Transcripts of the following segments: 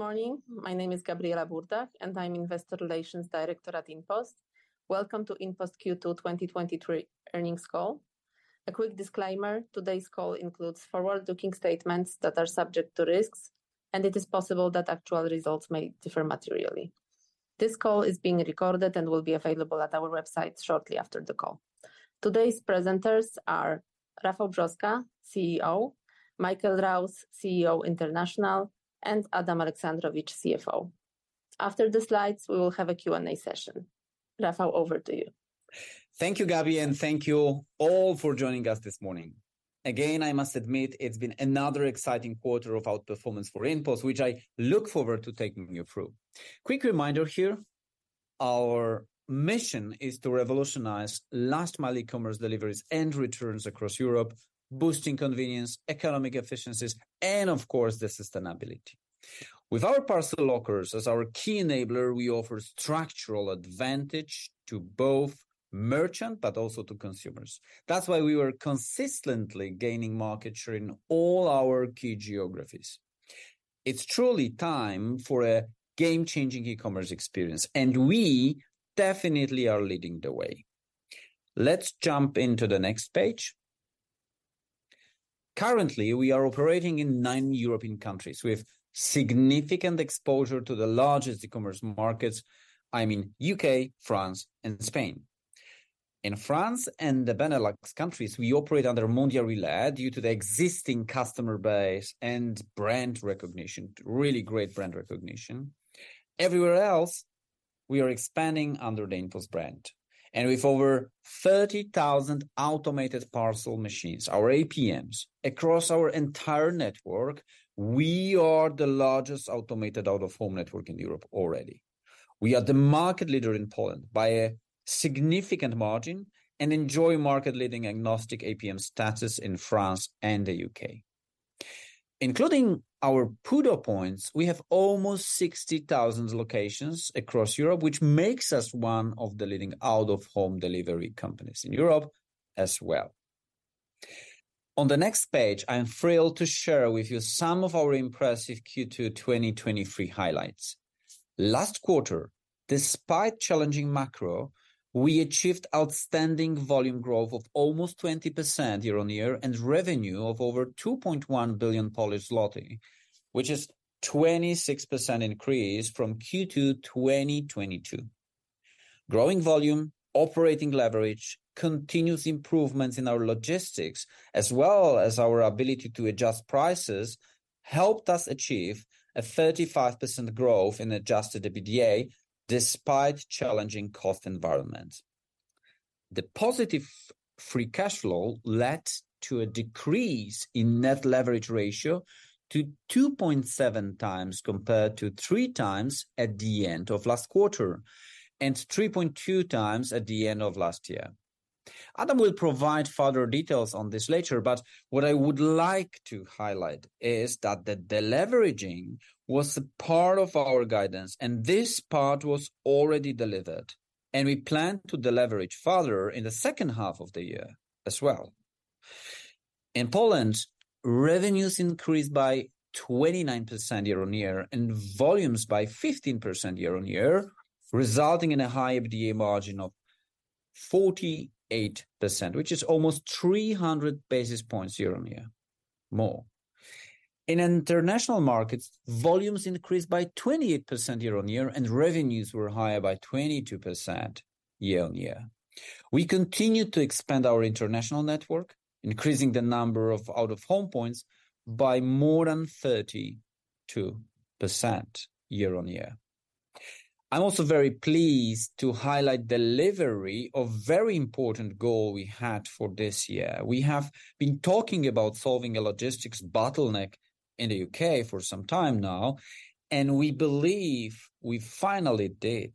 Good morning. My name is Gabriela Burdach, and I'm Investor Relations Director at InPost. Welcome to InPost Q2 2023 earnings call. A quick disclaimer, today's call includes forward-looking statements that are subject to risks, and it is possible that actual results may differ materially. This call is being recorded and will be available at our website shortly after the call. Today's presenters are Rafał Brzoska, CEO; Michael Rouse, CEO International; and Adam Aleksandrowicz, CFO. After the slides, we will have a Q&A session. Rafał, over to you. Thank you, Gabi, and thank you all for joining us this morning. Again, I must admit it's been another exciting quarter of outperformance for InPost, which I look forward to taking you through. Quick reminder here, our mission is to revolutionize last-mile commerce deliveries and returns across Europe, boosting convenience, economic efficiencies, and of course, the sustainability. With our parcel lockers as our key enabler, we offer structural advantage to both merchant but also to consumers. That's why we were consistently gaining market share in all our key geographies. It's truly time for a game-changing e-commerce experience, and we definitely are leading the way. Let's jump into the next page. Currently, we are operating in nine European countries with significant exposure to the largest e-commerce markets, I mean, U.K., France, and Spain. In France and the Benelux countries, we operate under Mondial Relay due to the existing customer base and brand recognition, really great brand recognition. Everywhere else, we are expanding under the InPost brand. With over 30,000 automated parcel machines, our APMs, across our entire network, we are the largest automated out-of-home network in Europe already. We are the market leader in Poland by a significant margin and enjoy market-leading agnostic APM status in France and the U.K. Including our PUDO points, we have almost 60,000 locations across Europe, which makes us one of the leading out-of-home delivery companies in Europe as well. On the next page, I am thrilled to share with you some of our impressive Q2 2023 highlights. Last quarter, despite challenging macro, we achieved outstanding volume growth of almost 20% year-on-year, and revenue of over 2.1 billion Polish zloty, which is 26% increase from Q2 2022. Growing volume, operating leverage, continuous improvements in our logistics, as well as our ability to adjust prices, helped us achieve a 35% growth in Adjusted EBITDA, despite challenging cost environment. The positive free cash flow led to a decrease in net leverage ratio to 2.7x, compared to 3x at the end of last quarter, and 3.2x at the end of last year. Adam will provide further details on this later, but what I would like to highlight is that the deleveraging was a part of our guidance, and this part was already delivered, and we plan to deleverage further in the H2 of the year as well. In Poland, revenues increased by 29% year-on-year and volumes by 15% year-on-year, resulting in a high EBITDA margin of 48%, which is almost 300 basis points year-on-year more. In international markets, volumes increased by 28% year-on-year, and revenues were higher by 22% year-on-year. We continued to expand our international network, increasing the number of out-of-home points by more than 32% year-on-year. I'm also very pleased to highlight delivery of very important goal we had for this year. We have been talking about solving a logistics bottleneck in the U.K. for some time now, and we believe we finally did.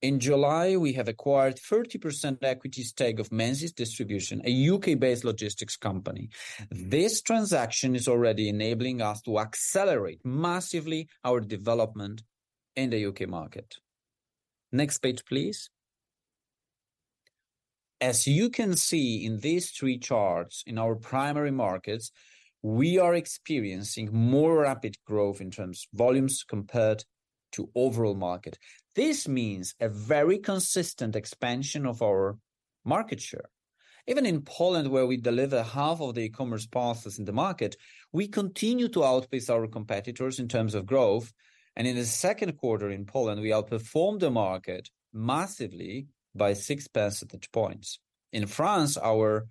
In July, we have acquired 30% equity stake of Menzies Distribution, a U.K.-based logistics company. This transaction is already enabling us to accelerate massively our development in the U.K. market. Next page, please. As you can see in these 3 charts, in our primary markets, we are experiencing more rapid growth in terms volumes compared to overall market. This means a very consistent expansion of our market share. Even in Poland, where we deliver half of the e-commerce parcels in the market, we continue to outpace our competitors in terms of growth, and in the second quarter in Poland, we outperformed the market massively by six percentage points. In France, our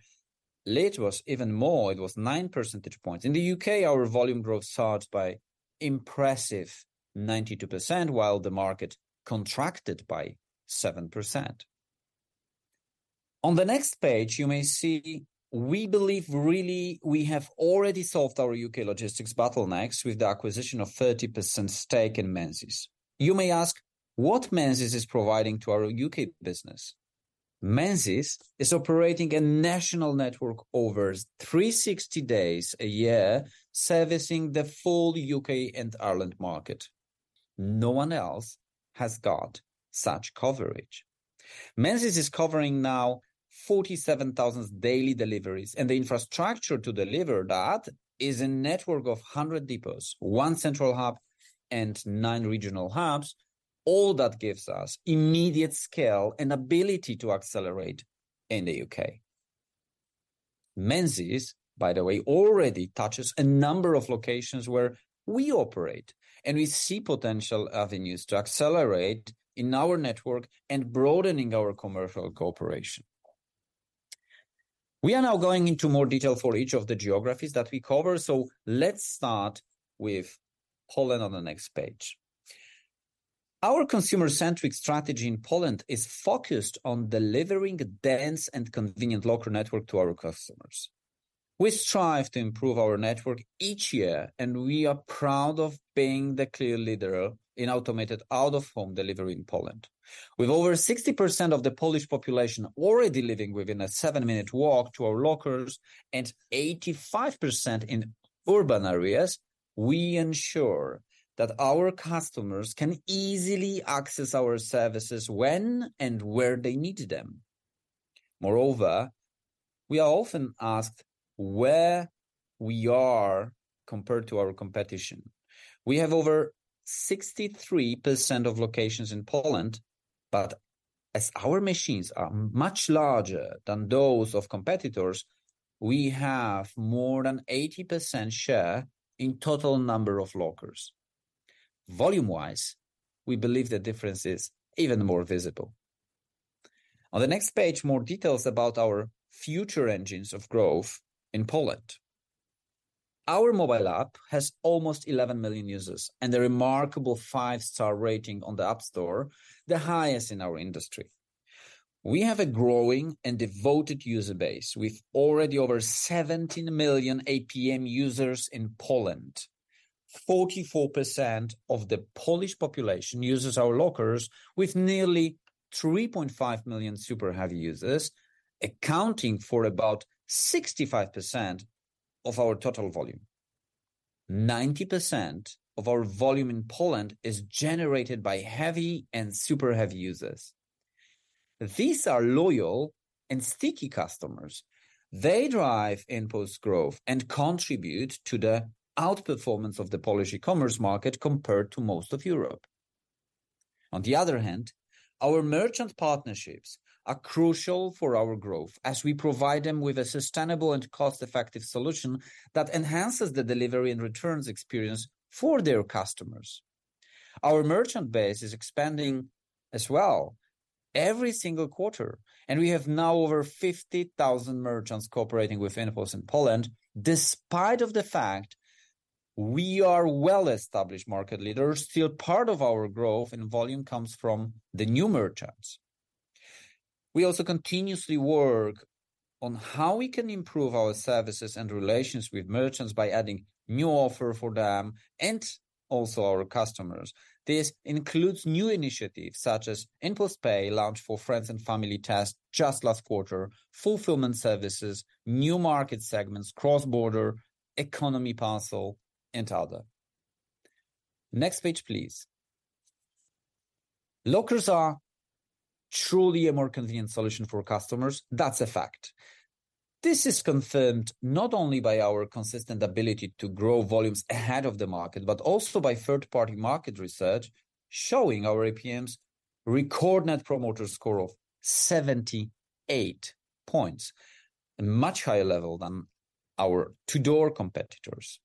lead was even more, it was nine percentage points. In the U.K., our volume growth surged by impressive 92%, while the market contracted by 7%. On the next page, you may see we believe really we have already solved our U.K. logistics bottlenecks with the acquisition of 30% stake in Menzies. You may ask, what Menzies is providing to our U.K. business? Menzies is operating a national network over 360 days a year, servicing the full U.K. and Ireland market. No one else has got such coverage. Menzies is covering now 47,000 daily deliveries, and the infrastructure to deliver that is a network of 100 depots, one central hub, and nine regional hubs. All that gives us immediate scale and ability to accelerate in the U.K. Menzies, by the way, already touches a number of locations where we operate, and we see potential avenues to accelerate in our network and broadening our commercial cooperation. We are now going into more detail for each of the geographies that we cover, so let's start with Poland on the next page. Our consumer-centric strategy in Poland is focused on delivering a dense and convenient locker network to our customers. We strive to improve our network each year, and we are proud of being the clear leader in automated out-of-home delivery in Poland. With over 60% of the Polish population already living within a seven-minute walk to our lockers and 85% in urban areas, we ensure that our customers can easily access our services when and where they need them. Moreover, we are often asked where we are compared to our competition. We have over 63% of locations in Poland, but as our machines are much larger than those of competitors, we have more than 80% share in total number of lockers. Volume-wise, we believe the difference is even more visible. On the next page, more details about our future engines of growth in Poland. Our mobile app has almost 11 million users and a remarkable 5-star rating on the App Store, the highest in our industry. We have a growing and devoted user base, with already over 17 million APM users in Poland. 44% of the Polish population uses our lockers, with nearly 3.5 million super heavy users, accounting for about 65% of our total volume. 90% of our volume in Poland is generated by heavy and super heavy users. These are loyal and sticky customers. They drive InPost growth and contribute to the outperformance of the Polish e-commerce market compared to most of Europe. On the other hand, our merchant partnerships are crucial for our growth as we provide them with a sustainable and cost-effective solution that enhances the delivery and returns experience for their customers. Our merchant base is expanding as well every single quarter, and we have now over 50,000 merchants cooperating with InPost in Poland. Despite of the fact we are well-established market leaders, still part of our growth and volume comes from the new merchants. We also continuously work on how we can improve our services and relations with merchants by adding new offer for them and also our customers. This includes new initiatives such as InPost Pay, launched for friends and family test just last quarter, fulfillment services, new market segments, cross-border, economy parcel, and other. Next page, please. Lockers are truly a more convenient solution for customers. That's a fact. This is confirmed not only by our consistent ability to grow volumes ahead of the market, but also by third-party market research, showing our APMs record Net Promoter Score of 78 points, a much higher level than our To-Door competitors.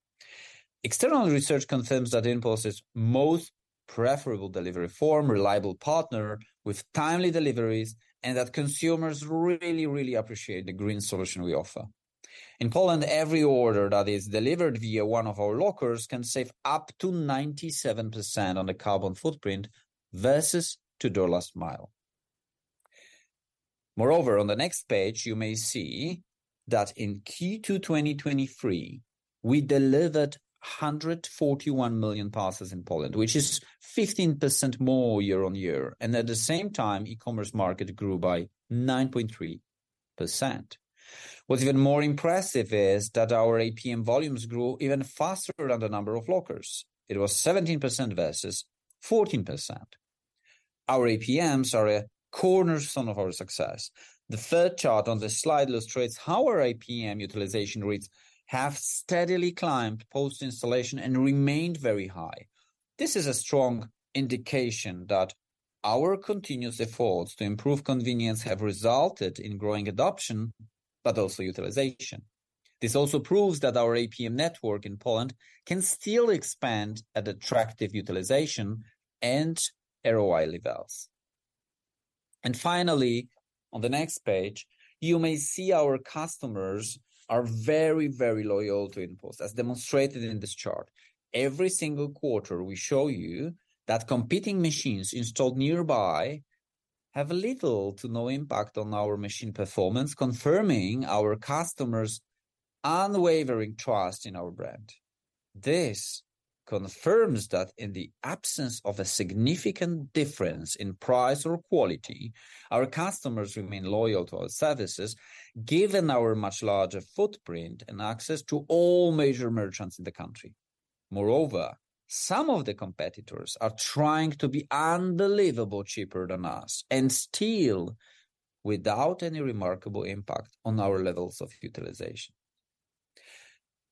External research confirms that InPost is most preferable delivery form, reliable partner with timely deliveries, and that consumers really, really appreciate the green solution we offer. In Poland, every order that is delivered via one of our lockers can save up to 97% on the carbon footprint versus To-Door last mile. Moreover, on the next page, you may see that in Q2 2023, we delivered 141 million parcels in Poland, which is 15% more year-on-year, and at the same time, e-commerce market grew by 9.3%. What's even more impressive is that our APM volumes grew even faster than the number of lockers. It was 17% versus 14%. Our APMs are a cornerstone of our success. The third chart on this slide illustrates how our APM utilization rates have steadily climbed post-installation and remained very high. This is a strong indication that our continuous efforts to improve convenience have resulted in growing adoption, but also utilization. This also proves that our APM network in Poland can still expand at attractive utilization and ROI levels. Finally, on the next page, you may see our customers are very, very loyal to InPost, as demonstrated in this chart. Every single quarter, we show you that competing machines installed nearby have little to no impact on our machine performance, confirming our customers' unwavering trust in our brand. This confirms that in the absence of a significant difference in price or quality, our customers remain loyal to our services, given our much larger footprint and access to all major merchants in the country. Moreover, some of the competitors are trying to be unbelievably cheaper than us, and still without any remarkable impact on our levels of utilization.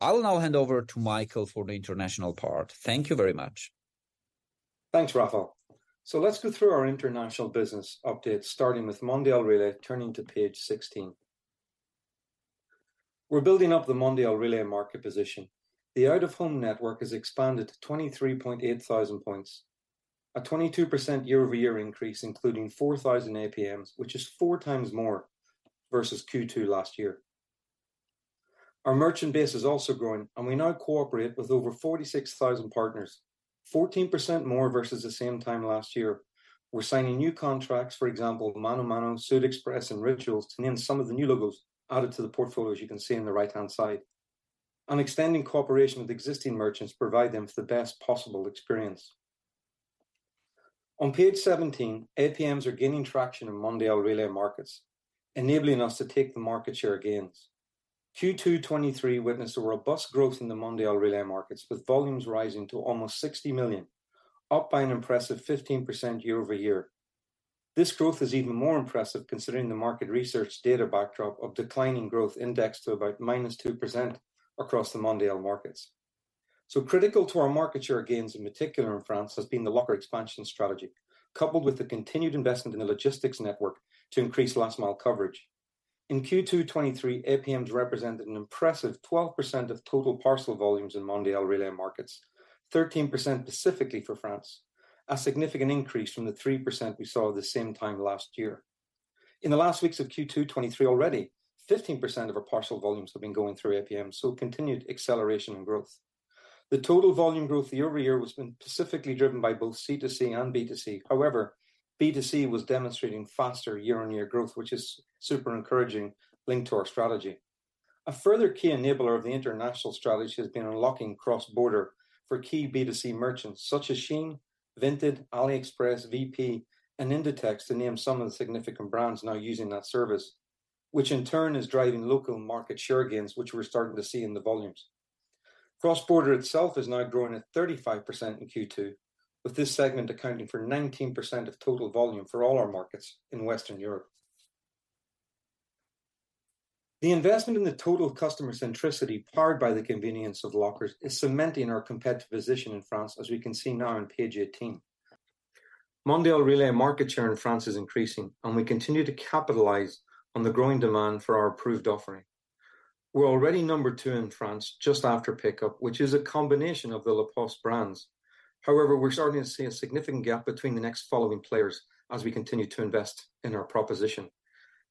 I'll now hand over to Michael for the international part. Thank you very much. Thanks, Rafał. So let's go through our international business update, starting with Mondial Relay, turning to Page 16. We're building up the Mondial Relay market position. The out-of-home network has expanded to 23,800 points, a 22% year-over-year increase, including 4,000 APMs, which is four times more versus Q2 last year. Our merchant base is also growing, and we now cooperate with over 46,000 partners, 14% more versus the same time last year. We're signing new contracts, for example, ManoMano, SuitExpress, and Rituals, to name some of the new logos added to the portfolio, as you can see on the right-hand side. Extending cooperation with existing merchants provide them with the best possible experience. On Page 17, APMs are gaining traction in Mondial Relay markets, enabling us to take the market share gains. Q2 2023 witnessed a robust growth in the Mondial Relay markets, with volumes rising to almost 60 million, up by an impressive 15% year-over-year. This growth is even more impressive considering the market research data backdrop of declining growth index to about -2% across the Mondial markets. So critical to our market share gains, in particular in France, has been the locker expansion strategy, coupled with the continued investment in the logistics network to increase last mile coverage. In Q2 2023, APMs represented an impressive 12% of total parcel volumes in Mondial Relay markets, 13% specifically for France, a significant increase from the 3% we saw at the same time last year. In the last weeks of Q2 2023 already, 15% of our parcel volumes have been going through APMs, so continued acceleration and growth. The total volume growth year-over-year has been specifically driven by both C2C and B2C. However, B2C was demonstrating faster year-on-year growth, which is super encouraging, linked to our strategy. A further key enabler of the international strategy has been unlocking cross-border for key B2C merchants such as Shein, Vinted, AliExpress, Veepee, and Inditex, to name some of the significant brands now using that service, which in turn is driving local market share gains, which we're starting to see in the volumes. Cross-border itself is now growing at 35% in Q2, with this segment accounting for 19% of total volume for all our markets in Western Europe. The investment in the total customer centricity, powered by the convenience of lockers, is cementing our competitive position in France, as we can see now on Page 18. Mondial Relay market share in France is increasing, and we continue to capitalize on the growing demand for our approved offering. We're already number two in France, just after Pickup, which is a combination of the La Poste brands. However, we're starting to see a significant gap between the next following players as we continue to invest in our proposition.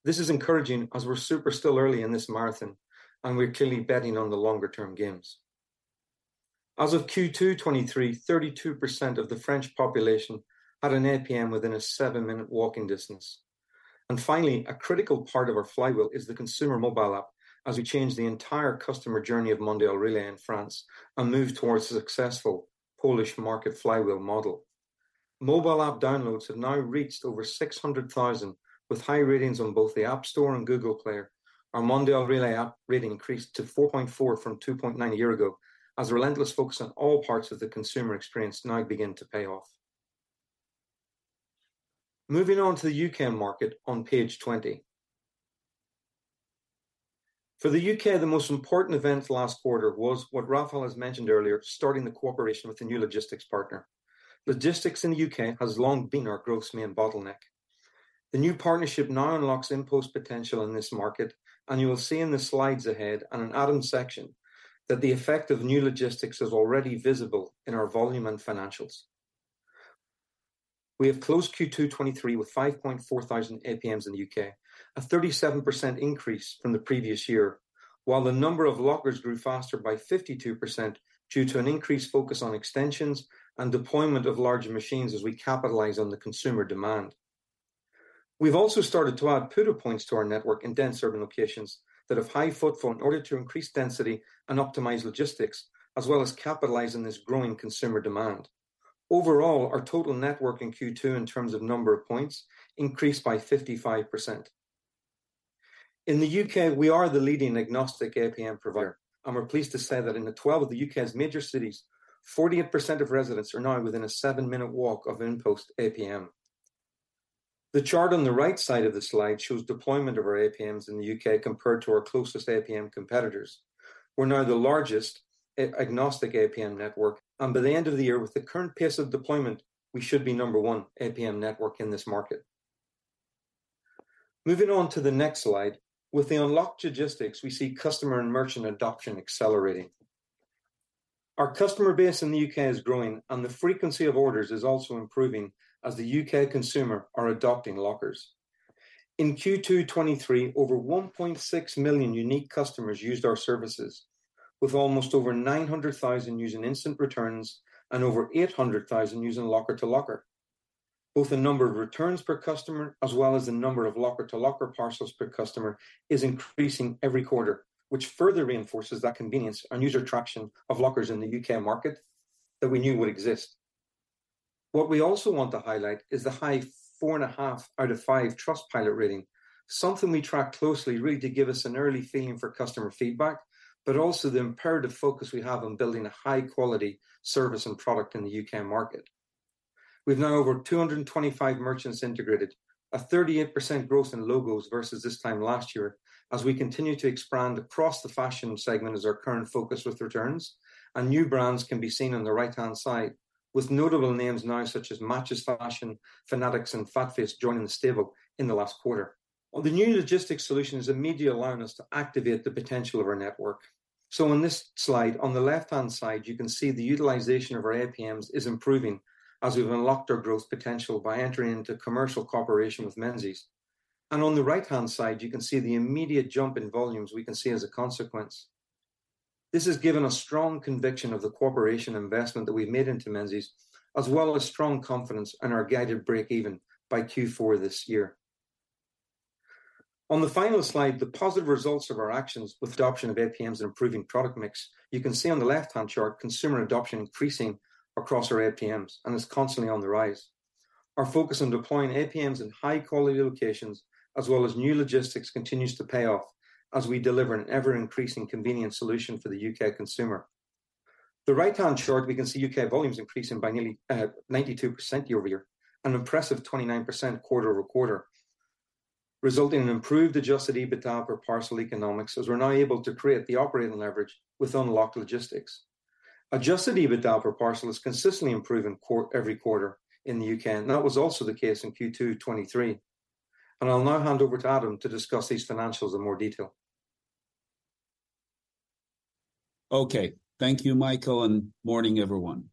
This is encouraging as we're super still early in this marathon, and we're clearly betting on the longer-term gains. As of Q2 2023, 32% of the French population had an APM within a 7-minute walking distance. And finally, a critical part of our flywheel is the consumer mobile app, as we change the entire customer journey of Mondial Relay in France and move towards a successful Polish market flywheel model. Mobile app downloads have now reached over 600,000, with high ratings on both the App Store and Google Play. Our Mondial Relay app rating increased to 4.4 from 2.9 a year ago, as a relentless focus on all parts of the consumer experience now begin to pay off. Moving on to the U.K. market on Page 20. For the U.K., the most important event last quarter was what Rafał has mentioned earlier, starting the cooperation with a new logistics partner. Logistics in the U.K. has long been our growth main bottleneck. The new partnership now unlocks InPost potential in this market, and you will see in the slides ahead on an add-on section, that the effect of new logistics is already visible in our volume and financials. We have closed Q2 2023 with 5.4 thousand APMs in the U.K., a 37% increase from the previous year, while the number of lockers grew faster by 52% due to an increased focus on extensions and deployment of larger machines as we capitalize on the consumer demand. We've also started to add PUDO points to our network in dense urban locations that have high footfall in order to increase density and optimize logistics, as well as capitalizing this growing consumer demand. Overall, our total network in Q2, in terms of number of points, increased by 55%. In the U.K., we are the leading agnostic APM provider, and we're pleased to say that in 12 of the U.K.'s major cities, 48% of residents are now within a 7-minute walk of InPost APM. The chart on the right side of the slide shows deployment of our APMs in the U.K. compared to our closest APM competitors. We're now the largest agnostic APM network, and by the end of the year, with the current pace of deployment, we should be number one APM network in this market. Moving on to the next slide. With the unlocked logistics, we see customer and merchant adoption accelerating. Our customer base in the U.K. is growing, and the frequency of orders is also improving as the U.K. consumer are adopting lockers. In Q2 2023, over 1.6 million unique customers used our services, with almost over 900,000 using instant returns and over 800,000 using Locker-to-Locker. Both the number of returns per customer, as well as the number of Locker-to-Locker parcels per customer, is increasing every quarter, which further reinforces that convenience and user traction of lockers in the U.K. market that we knew would exist. What we also want to highlight is the high 4.5 out of five Trustpilot rating, something we track closely, really to give us an early feeling for customer feedback, but also the imperative focus we have on building a high-quality service and product in the U.K. market. We've now over 225 merchants integrated, a 38% growth in logos versus this time last year, as we continue to expand across the fashion segment as our current focus with returns. New brands can be seen on the right-hand side, with notable names now such as MatchesFashion, Fanatics, and FatFace joining the stable in the last quarter. On the new logistics solutions, immediately allowing us to activate the potential of our network. So on this slide, on the left-hand side, you can see the utilization of our APMs is improving as we've unlocked our growth potential by entering into commercial cooperation with Menzies. And on the right-hand side, you can see the immediate jump in volumes we can see as a consequence. This has given a strong conviction of the cooperation investment that we've made into Menzies, as well as strong confidence in our guided breakeven by Q4 this year. On the final slide, the positive results of our actions with the adoption of APMs and improving product mix. You can see on the left-hand chart, consumer adoption increasing across our APMs, and it's constantly on the rise. Our focus on deploying APMs in high-quality locations, as well as new logistics, continues to pay off as we deliver an ever-increasing convenient solution for the U.K. consumer. The right-hand chart, we can see U.K. volumes increasing by nearly 92% year-over-year, an impressive 29% quarter-over-quarter, resulting in improved adjusted EBITDA per parcel economics, as we're now able to create the operating leverage with unlocked logistics. Adjusted EBITDA per parcel is consistently improving every quarter in the U.K., and that was also the case in Q2 2023. And I'll now hand over to Adam to discuss these financials in more detail. Okay. Thank you, Michael, and morning, everyone.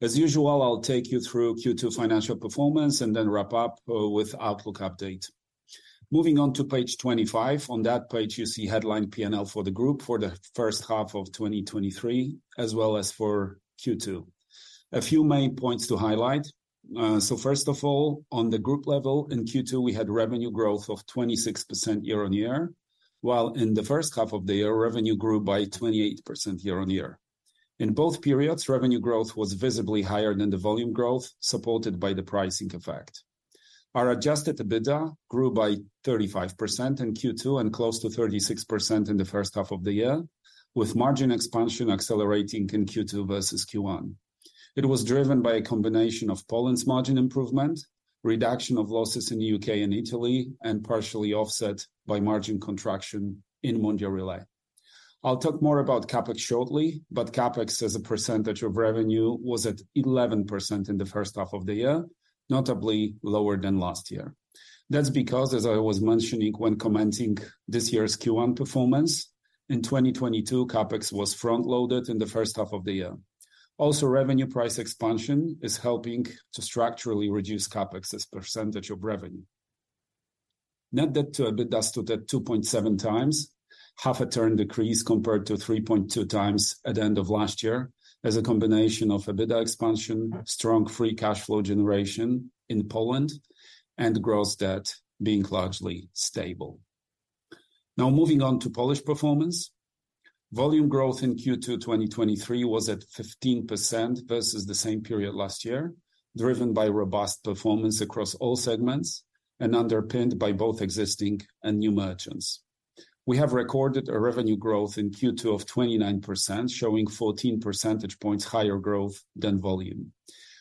As usual, I'll take you through Q2 financial performance and then wrap up with outlook update. Moving on to Page 25. On that page, you see headline P&L for the group for the H1 of 2023, as well as for Q2. A few main points to highlight. So first of all, on the group level, in Q2, we had revenue growth of 26% year-on-year, while in the H1 of the year, revenue grew by 28% year-on-year. In both periods, revenue growth was visibly higher than the volume growth, supported by the pricing effect. Our adjusted EBITDA grew by 35% in Q2 and close to 36% in the H1 of the year, with margin expansion accelerating in Q2 versus Q1. It was driven by a combination of Poland's margin improvement, reduction of losses in the U.K. and Italy, and partially offset by margin contraction in Mondial Relay. I'll talk more about CapEx shortly, but CapEx, as a percentage of revenue, was at 11% in the H1 of the year, notably lower than last year. That's because, as I was mentioning when commenting this year's Q1 performance, in 2022, CapEx was front-loaded in the H1 of the year. Also, revenue price expansion is helping to structurally reduce CapEx as percentage of revenue. Net debt to EBITDA stood at 2.7x, half a turn decrease compared to 3.2x at the end of last year, as a combination of EBITDA expansion, strong free cash flow generation in Poland, and gross debt being largely stable. Now, moving on to Polish performance. Volume growth in Q2 2023 was at 15% versus the same period last year, driven by robust performance across all segments and underpinned by both existing and new merchants. We have recorded a revenue growth in Q2 of 29%, showing 14 percentage points higher growth than volume.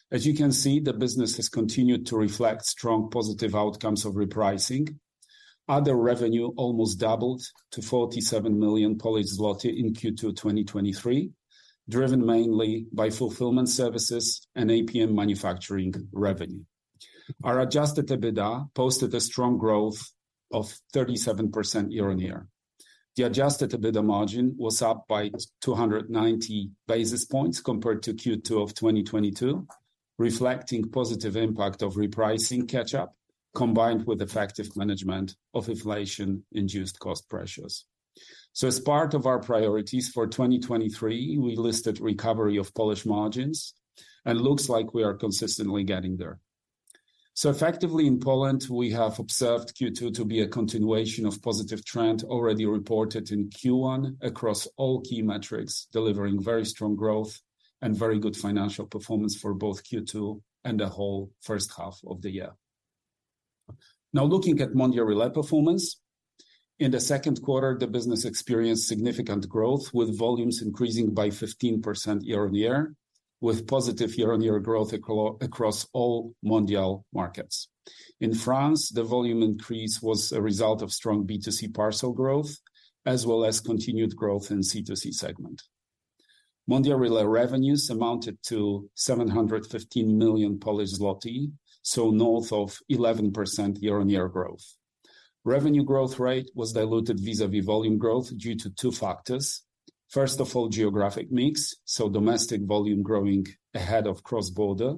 As you can see, the business has continued to reflect strong positive outcomes of repricing. Other revenue almost doubled to 47 million Polish zloty in Q2 2023, driven mainly by fulfillment services and APM manufacturing revenue. Our adjusted EBITDA posted a strong growth of 37% year-on-year. The adjusted EBITDA margin was up by 290 basis points compared to Q2 of 2022, reflecting positive impact of repricing catch-up, combined with effective management of inflation-induced cost pressures. As part of our priorities for 2023, we listed recovery of Polish margins, and it looks like we are consistently getting there. So effectively, in Poland, we have observed Q2 to be a continuation of positive trend already reported in Q1 across all key metrics, delivering very strong growth and very good financial performance for both Q2 and the whole H1 of the year. Now, looking at Mondial Relay performance. In the second quarter, the business experienced significant growth, with volumes increasing by 15% year-on-year, with positive year-on-year growth across all Mondial markets. In France, the volume increase was a result of strong B2C parcel growth, as well as continued growth in C2C segment. Mondial Relay revenues amounted to 715 million Polish zloty, so north of 11% year-on-year growth. Revenue growth rate was diluted vis-a-vis volume growth due to two factors. First of all, geographic mix, so domestic volume growing ahead of cross-border.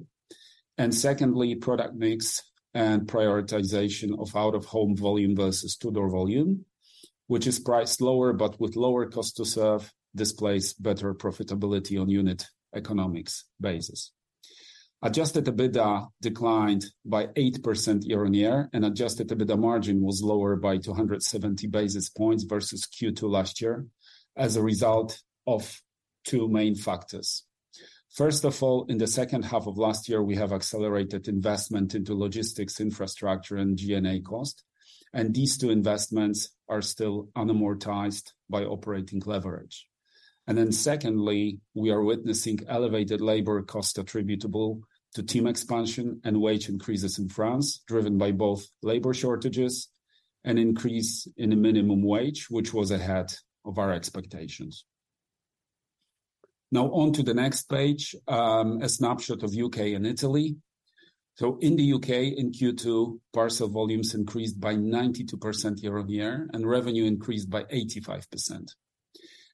And secondly, product mix and prioritization of out-of-home volume versus to-door volume, which is priced lower, but with lower cost to serve, displays better profitability on unit economics basis. Adjusted EBITDA declined by 8% year-on-year, and adjusted EBITDA margin was lower by 270 basis points versus Q2 last year as a result of two main factors. First of all, in the H2 of last year, we have accelerated investment into logistics, infrastructure, and G&A cost, and these two investments are still unamortized by operating leverage. And then secondly, we are witnessing elevated labor cost attributable to team expansion and wage increases in France, driven by both labor shortages and increase in the minimum wage, which was ahead of our expectations. Now on to the next page, a snapshot of U.K. and Italy. In the U.K., in Q2, parcel volumes increased by 92% year-on-year, and revenue increased by 85%.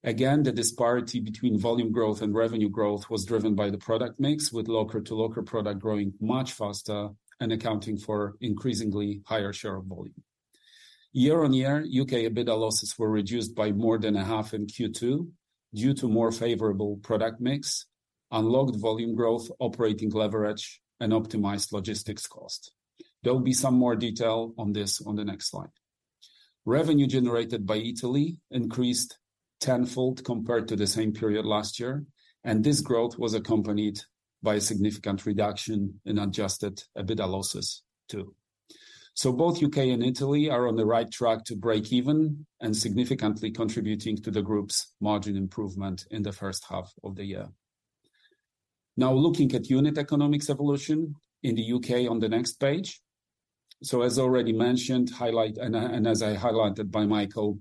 Again, the disparity between volume growth and revenue growth was driven by the product mix, with Locker-to-Locker product growing much faster and accounting for increasingly higher share of volume. Year-on-year, U.K. EBITDA losses were reduced by more than a half in Q2, due to more favorable product mix, unlocked volume growth, operating leverage, and optimized logistics cost. There will be some more detail on this on the next slide. Revenue generated by Italy increased tenfold compared to the same period last year, and this growth was accompanied by a significant reduction in Adjusted EBITDA losses, too. So both U.K. and Italy are on the right track to break even and significantly contributing to the group's margin improvement in the H1 of the year. Now, looking at unit economics evolution in the U.K. on the next page. So as already mentioned, and as highlighted by Michael,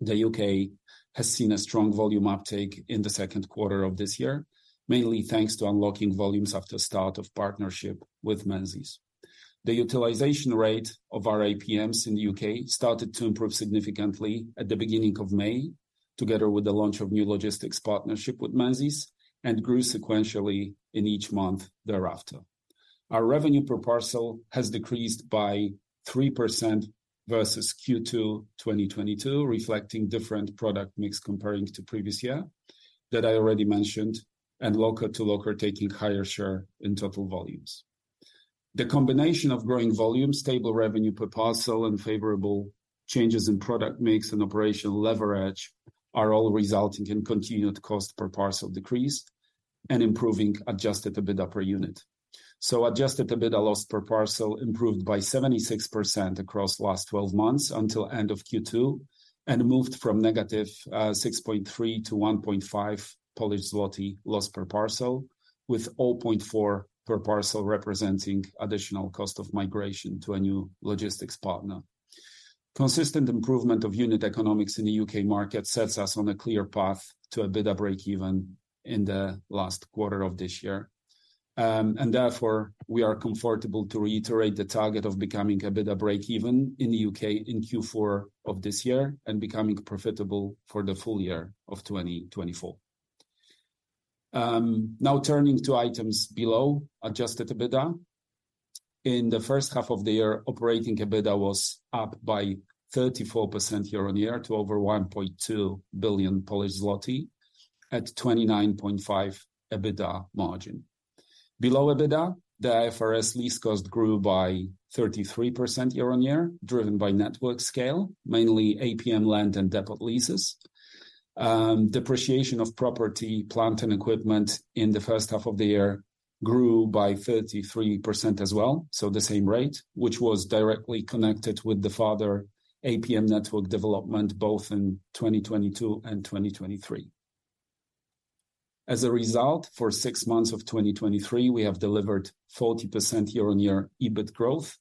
the U.K. has seen a strong volume uptake in the second quarter of this year, mainly thanks to unlocking volumes after the start of partnership with Menzies. The utilization rate of our APMs in the U.K. started to improve significantly at the beginning of May, together with the launch of new logistics partnership with Menzies, and grew sequentially in each month thereafter. Our revenue per parcel has decreased by 3% versus Q2 2022, reflecting different product mix comparing to previous year that I already mentioned, and Locker-to-Locker taking higher share in total volumes. The combination of growing volume, stable revenue per parcel, and favorable changes in product mix and operational leverage are all resulting in continued cost per parcel decreased and improving adjusted EBITDA per unit. Adjusted EBITDA loss per parcel improved by 76% across last twelve months until end of Q2, and moved from negative 6.3 PLN to 1.5 Polish zloty loss per parcel, with 0.4 PLN per parcel representing additional cost of migration to a new logistics partner. Consistent improvement of unit economics in the U.K. market sets us on a clear path to EBITDA breakeven in the last quarter of this year. And therefore, we are comfortable to reiterate the target of becoming EBITDA breakeven in the U.K. in Q4 of this year and becoming profitable for the full year of 2024. Now turning to items below adjusted EBITDA. In the H1 of the year, operating EBITDA was up by 34% year-on-year to over 1.2 billion Polish zloty at 29.5% EBITDA margin. Below EBITDA, the IFRS lease cost grew by 33% year-on-year, driven by network scale, mainly APM land and depot leases. Depreciation of property, plant, and equipment in the H1 of the year grew by 33% as well, so the same rate, which was directly connected with the further APM network development, both in 2022 and 2023. As a result, for six months of 2023, we have delivered 40% year-on-year EBIT growth,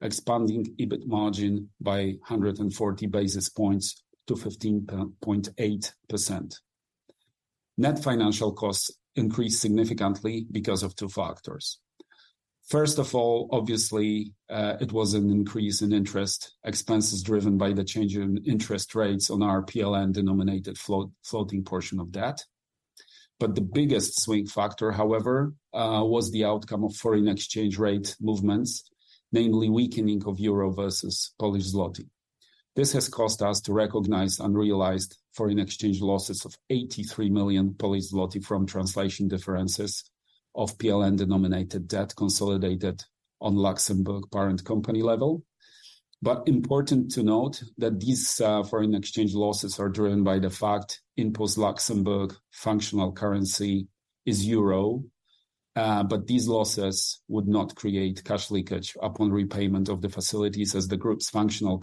expanding EBIT margin by 140 basis points to 15.8%. Net financial costs increased significantly because of two factors. First of all, obviously, it was an increase in interest expenses driven by the change in interest rates on our PLN-denominated float, floating portion of debt. But the biggest swing factor, however, was the outcome of foreign exchange rate movements, namely weakening of euro versus Polish zloty. This has caused us to recognize unrealized foreign exchange losses of 83 million zloty from translation differences of PLN-denominated debt consolidated on Luxembourg parent company level. But important to note that these foreign exchange losses are driven by the fact InPost Luxembourg functional currency is euro, but these losses would not create cash leakage upon repayment of the facilities as the group's functional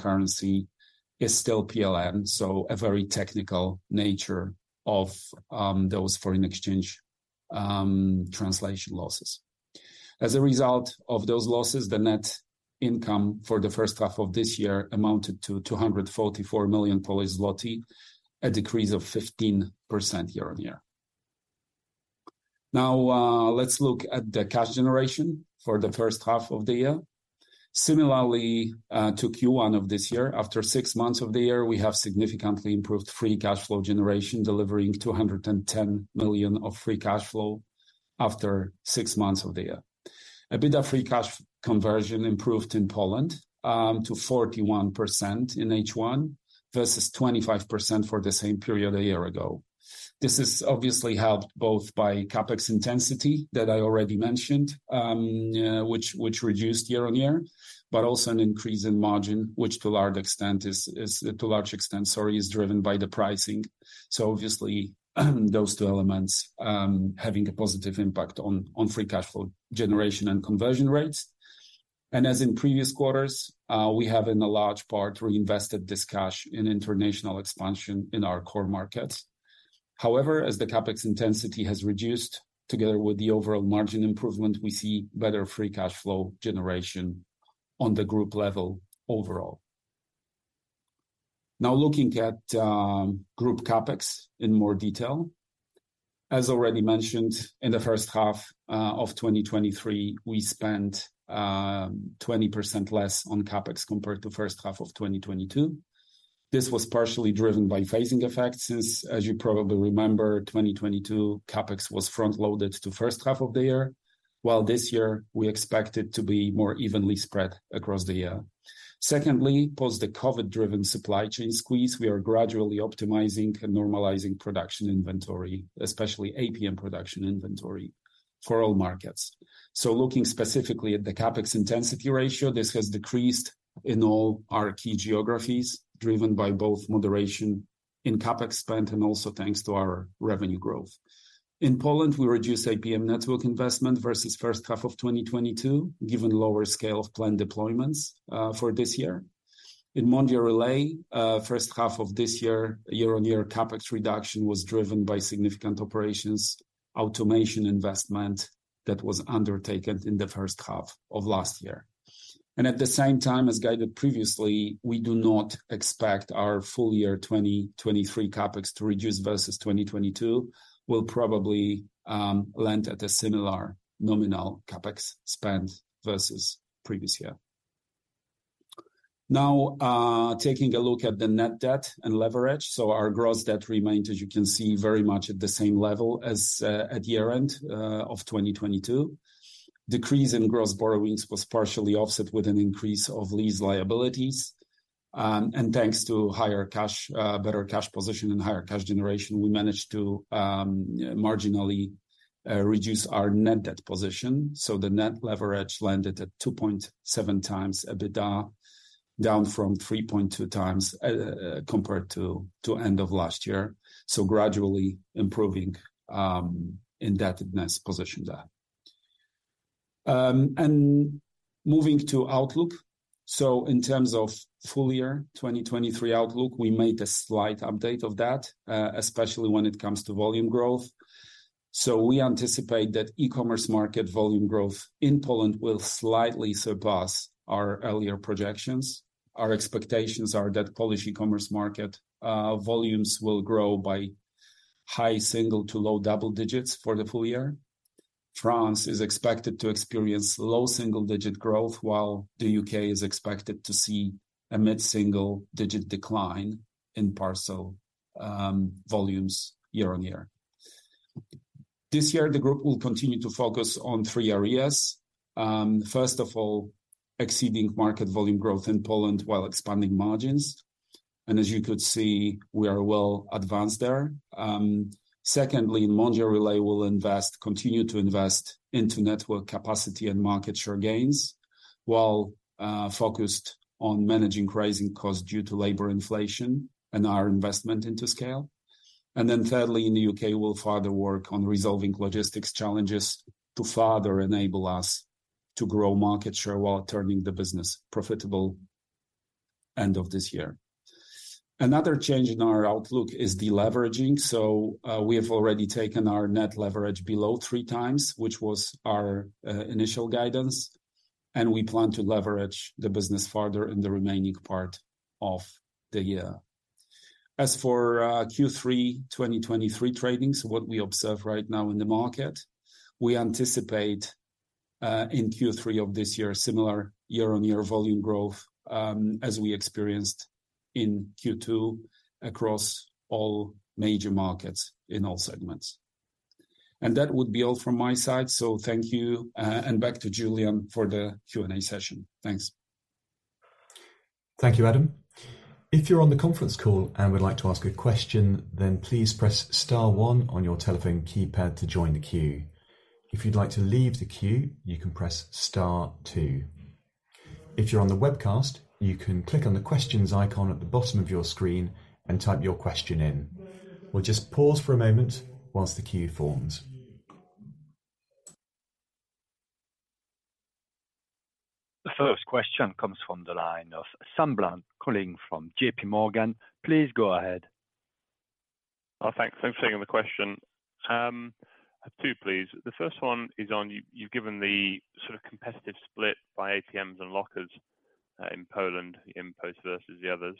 currency is still PLN, so a very technical nature of those foreign exchange translation losses. As a result of those losses, the net income for the H1 of this year amounted to 244 million Polish zloty, a 15% decrease year-on-year. Now, let's look at the cash generation for the H1 of the year. Similarly, to Q1 of this year, after six months of the year, we have significantly improved free cash flow generation, delivering 210 million of free cash flow after six months of the year. EBITDA free cash conversion improved in Poland to 41% in H1 versus 25% for the same period a year ago. This is obviously helped both by CapEx intensity that I already mentioned, which reduced year-on-year, but also an increase in margin, which to a large extent, sorry, is driven by the pricing. So obviously, those two elements having a positive impact on free cash flow generation and conversion rates. As in previous quarters, we have, in a large part, reinvested this cash in international expansion in our core markets. However, as the CapEx intensity has reduced, together with the overall margin improvement, we see better free cash flow generation on the group level overall. Now looking at group CapEx in more detail. As already mentioned, in the H1 of 2023, we spent 20% less on CapEx compared to H1 of 2022. This was partially driven by phasing effects, since, as you probably remember, 2022 CapEx was front-loaded to H1 of the year, while this year we expect it to be more evenly spread across the year. Secondly, post the COVID-driven supply chain squeeze, we are gradually optimizing and normalizing production inventory, especially APM production inventory for all markets. So looking specifically at the CapEx intensity ratio, this has decreased in all our key geographies, driven by both moderation in CapEx spend and also thanks to our revenue growth. In Poland, we reduced APM network investment versus H1 of 2022, given lower scale of planned deployments for this year. In Mondial Relay, H1 of this year, year-on-year CapEx reduction was driven by significant operations automation investment that was undertaken in the H1 of last year. And at the same time, as guided previously, we do not expect our full year 2023 CapEx to reduce versus 2022, we'll probably land at a similar nominal CapEx spend versus previous year. Now, taking a look at the net debt and leverage. So our gross debt remained, as you can see, very much at the same level as at year-end of 2022. Decrease in gross borrowings was partially offset with an increase of lease liabilities. And thanks to higher cash, better cash position and higher cash generation, we managed to marginally reduce our net debt position. The net leverage landed at 2.7x EBITDA, down from 3.2x compared to end of last year. Gradually improving indebtedness position there. Moving to outlook. In terms of full-year 2023 outlook, we made a slight update of that, especially when it comes to volume growth. We anticipate that e-commerce market volume growth in Poland will slightly surpass our earlier projections. Our expectations are that Polish e-commerce market volumes will grow by high single-digit to low double-digit for the full year. France is expected to experience low single-digit growth, while the U.K. is expected to see a mid-single-digit decline in parcel volumes year-on-year. This year, the group will continue to focus on three areas. First of all, exceeding market volume growth in Poland while expanding margins, and as you could see, we are well advanced there. Secondly, Mondial Relay will invest, continue to invest into network capacity and market share gains, while focused on managing rising costs due to labor inflation and our investment into scale. Then thirdly, in the U.K., we'll further work on resolving logistics challenges to further enable us to grow market share while turning the business profitable end of this year. Another change in our outlook is deleveraging. So, we have already taken our net leverage below 3x, which was our initial guidance, and we plan to leverage the business further in the remaining part of the year. As for Q3 2023 tradings, what we observe right now in the market, we anticipate in Q3 of this year a similar year-on-year volume growth as we experienced in Q2 across all major markets in all segments. And that would be all from my side. So thank you, and back to Julian for the Q&A session. Thanks. Thank you, Adam. If you're on the conference call and would like to ask a question, then please press star one on your telephone keypad to join the queue. If you'd like to leave the queue, you can press star two. If you're on the webcast, you can click on the Questions icon at the bottom of your screen and type your question in. We'll just pause for a moment while the queue forms. The first question comes from the line of Sam Bland calling from JP Morgan. Please go ahead. Oh, thanks. Thanks for taking the question. I have two, please. The first one is on you, you've given the sort of competitive split by APMs and lockers in Poland, InPost versus the others.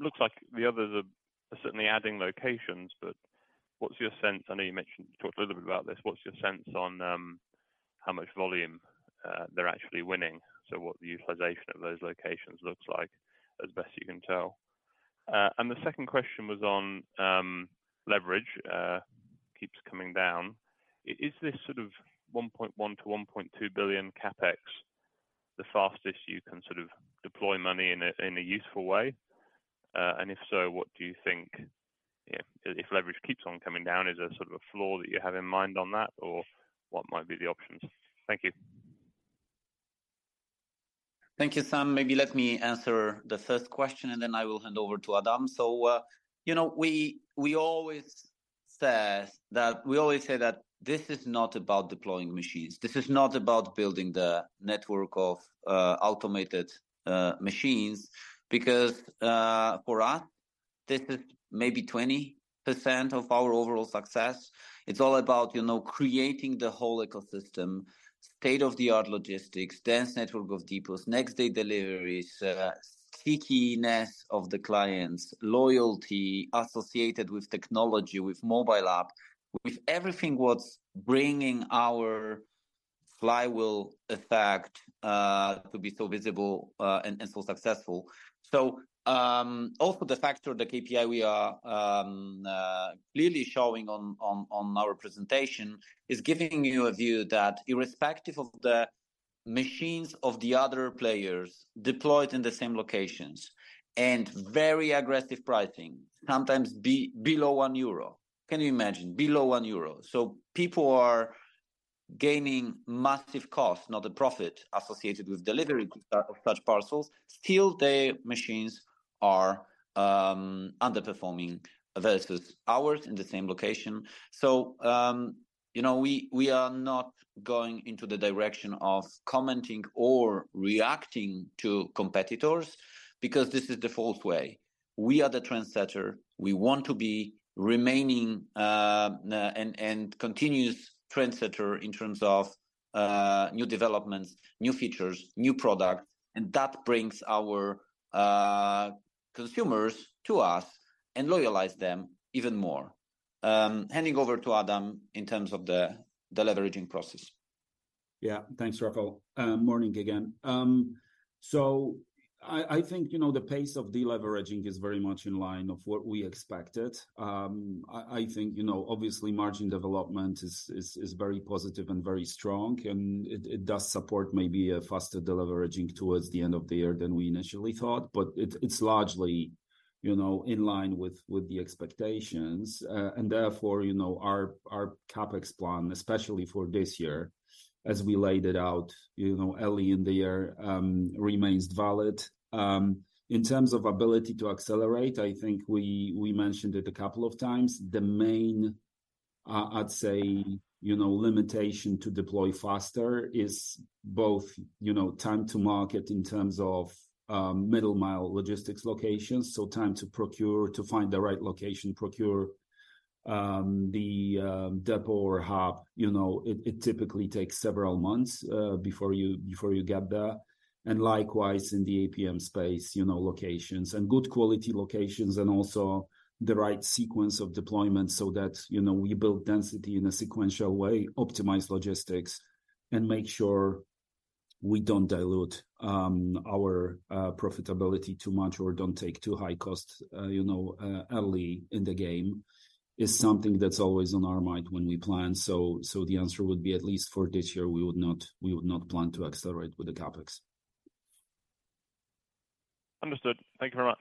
Looks like the others are certainly adding locations, but what's your sense... I know you mentioned, talked a little bit about this. What's your sense on how much volume they're actually winning? So what the utilization of those locations looks like, as best you can tell. And the second question was on leverage keeps coming down, is this sort of 1.1 billion-1.2 billion CapEx the fastest you can sort of deploy money in a useful way? If so, what do you think if, if leverage keeps on coming down, is there sort of a floor that you have in mind on that, or what might be the options? Thank you. Thank you, Sam. Maybe let me answer the first question, and then I will hand over to Adam. So, you know, we always say that this is not about deploying machines. This is not about building the network of automated machines, because for us, this is maybe 20% of our overall success. It's all about, you know, creating the whole ecosystem, state-of-the-art logistics, dense network of depots, next-day deliveries, stickiness of the clients, loyalty associated with technology, with mobile app, with everything what's bringing our flywheel effect to be so visible, and so successful. So, also the factor, the KPI we are clearly showing on our presentation, is giving you a view that irrespective of the machines of the other players deployed in the same locations and very aggressive pricing, sometimes be below 1 euro. Can you imagine? Below 1 euro. So people are gaining massive cost, not a profit, associated with delivery of such parcels. Still, their machines are underperforming versus ours in the same location. So, you know, we are not going into the direction of commenting or reacting to competitors because this is the false way. We are the trendsetter. We want to be remaining and continuous trendsetter in terms of new developments, new features, new products, and that brings our consumers to us and loyalize them even more. Handing over to Adam in terms of the deleveraging process. Yeah. Thanks, Rafał. Morning again. So I think, you know, the pace of deleveraging is very much in line of what we expected. I think, you know, obviously, margin development is, is, is very positive and very strong, and it, it does support maybe a faster deleveraging towards the end of the year than we initially thought. But it, it's largely, you know, in line with, with the expectations. And therefore, you know, our, our CapEx plan, especially for this year, as we laid it out, you know, early in the year, remains valid. In terms of ability to accelerate, I think we, we mentioned it a couple of times. The main, I'd say, you know, limitation to deploy faster is both, you know, time to market in terms of, middle-mile logistics locations, so time to procure... To find the right location, procure the depot or hub. You know, it typically takes several months before you get there. And likewise, in the APM space, you know, locations and good quality locations, and also the right sequence of deployment so that, you know, we build density in a sequential way, optimize logistics, and make sure we don't dilute our profitability too much or don't take too high cost, you know, early in the game, is something that's always on our mind when we plan. So the answer would be, at least for this year, we would not plan to accelerate with the CapEx. Understood. Thank you very much.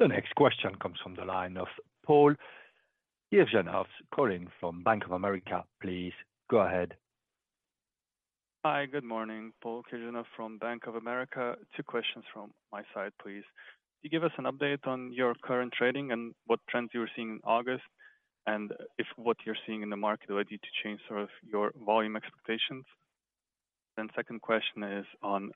The next question comes from the line of Pavel Sherblant, calling from Bank of America. Please, go ahead. Hi, good morning. Pavel Sherblant from Bank of America. Two questions from my side, please. Can you give us an update on your current trading and what trends you were seeing in August, and if what you're seeing in the market ready to change sort of your volume expectations? Then second question is on,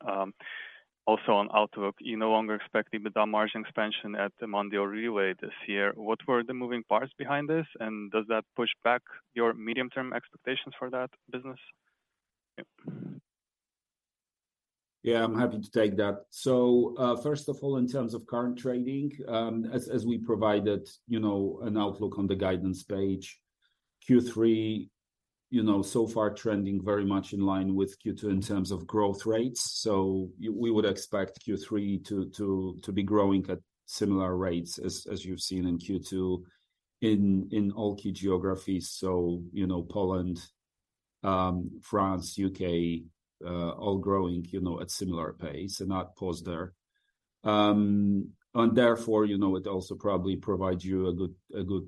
also on outlook. You're no longer expecting the down margin expansion at the Mondial Relay this year. What were the moving parts behind this, and does that push back your medium-term expectations for that business? Yeah, I'm happy to take that. So, first of all, in terms of current trading, as we provided, you know, an outlook on the guidance page, Q3, you know, so far trending very much in line with Q2 in terms of growth rates. So we would expect Q3 to be growing at similar rates as you've seen in Q2 in all key geographies. So, you know, Poland, France, U.K., all growing, you know, at similar pace, and I'd pause there. And therefore, you know, it also probably provides you a good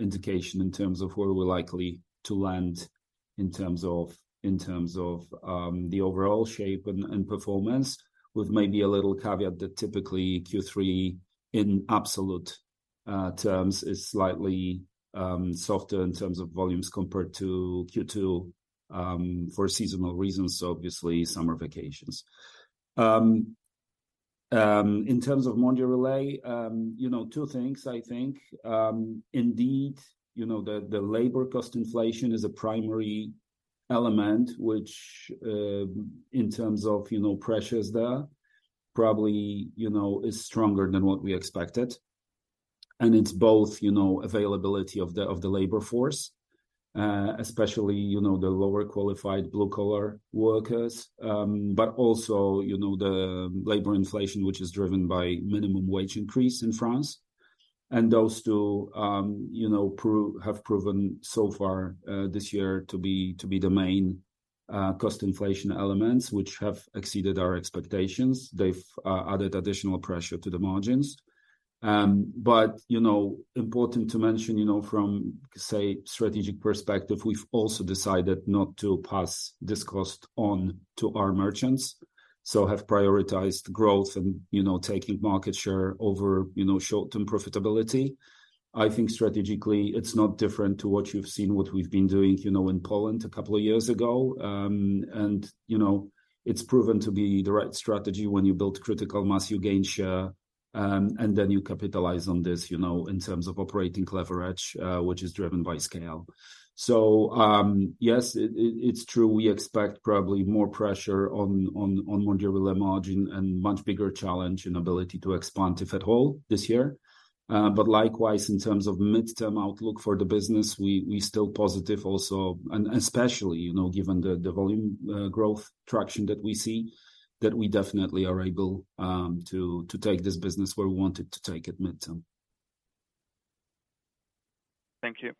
indication in terms of where we're likely to land in terms of the overall shape and performance, with maybe a little caveat that typically Q3, in absolute terms, is slightly softer in terms of volumes compared to Q2, for seasonal reasons, so obviously, summer vacations. In terms of Mondial Relay, you know, two things, I think. Indeed, you know, the labor cost inflation is a primary element, which, in terms of pressures there, probably, you know, is stronger than what we expected. And it's both, you know, availability of the labor force, especially the lower qualified blue-collar workers. But also, you know, the labor inflation, which is driven by minimum wage increase in France. Those two, you know, have proven so far this year to be the main cost inflation elements, which have exceeded our expectations. They've added additional pressure to the margins. You know, important to mention, you know, from, say, strategic perspective, we've also decided not to pass this cost on to our merchants. So have prioritized growth and, you know, taking market share over, you know, short-term profitability. I think strategically, it's not different to what you've seen, what we've been doing, you know, in Poland a couple of years ago. You know, it's proven to be the right strategy when you build critical mass, you gain share, and then you capitalize on this, you know, in terms of operating leverage, which is driven by scale. So, yes, it's true, we expect probably more pressure on margins and much bigger challenge and ability to expand, if at all, this year. But likewise, in terms of midterm outlook for the business, we're still positive also, and especially, you know, given the volume growth traction that we see, that we definitely are able to take this business where we want to take it midterm. Thank you.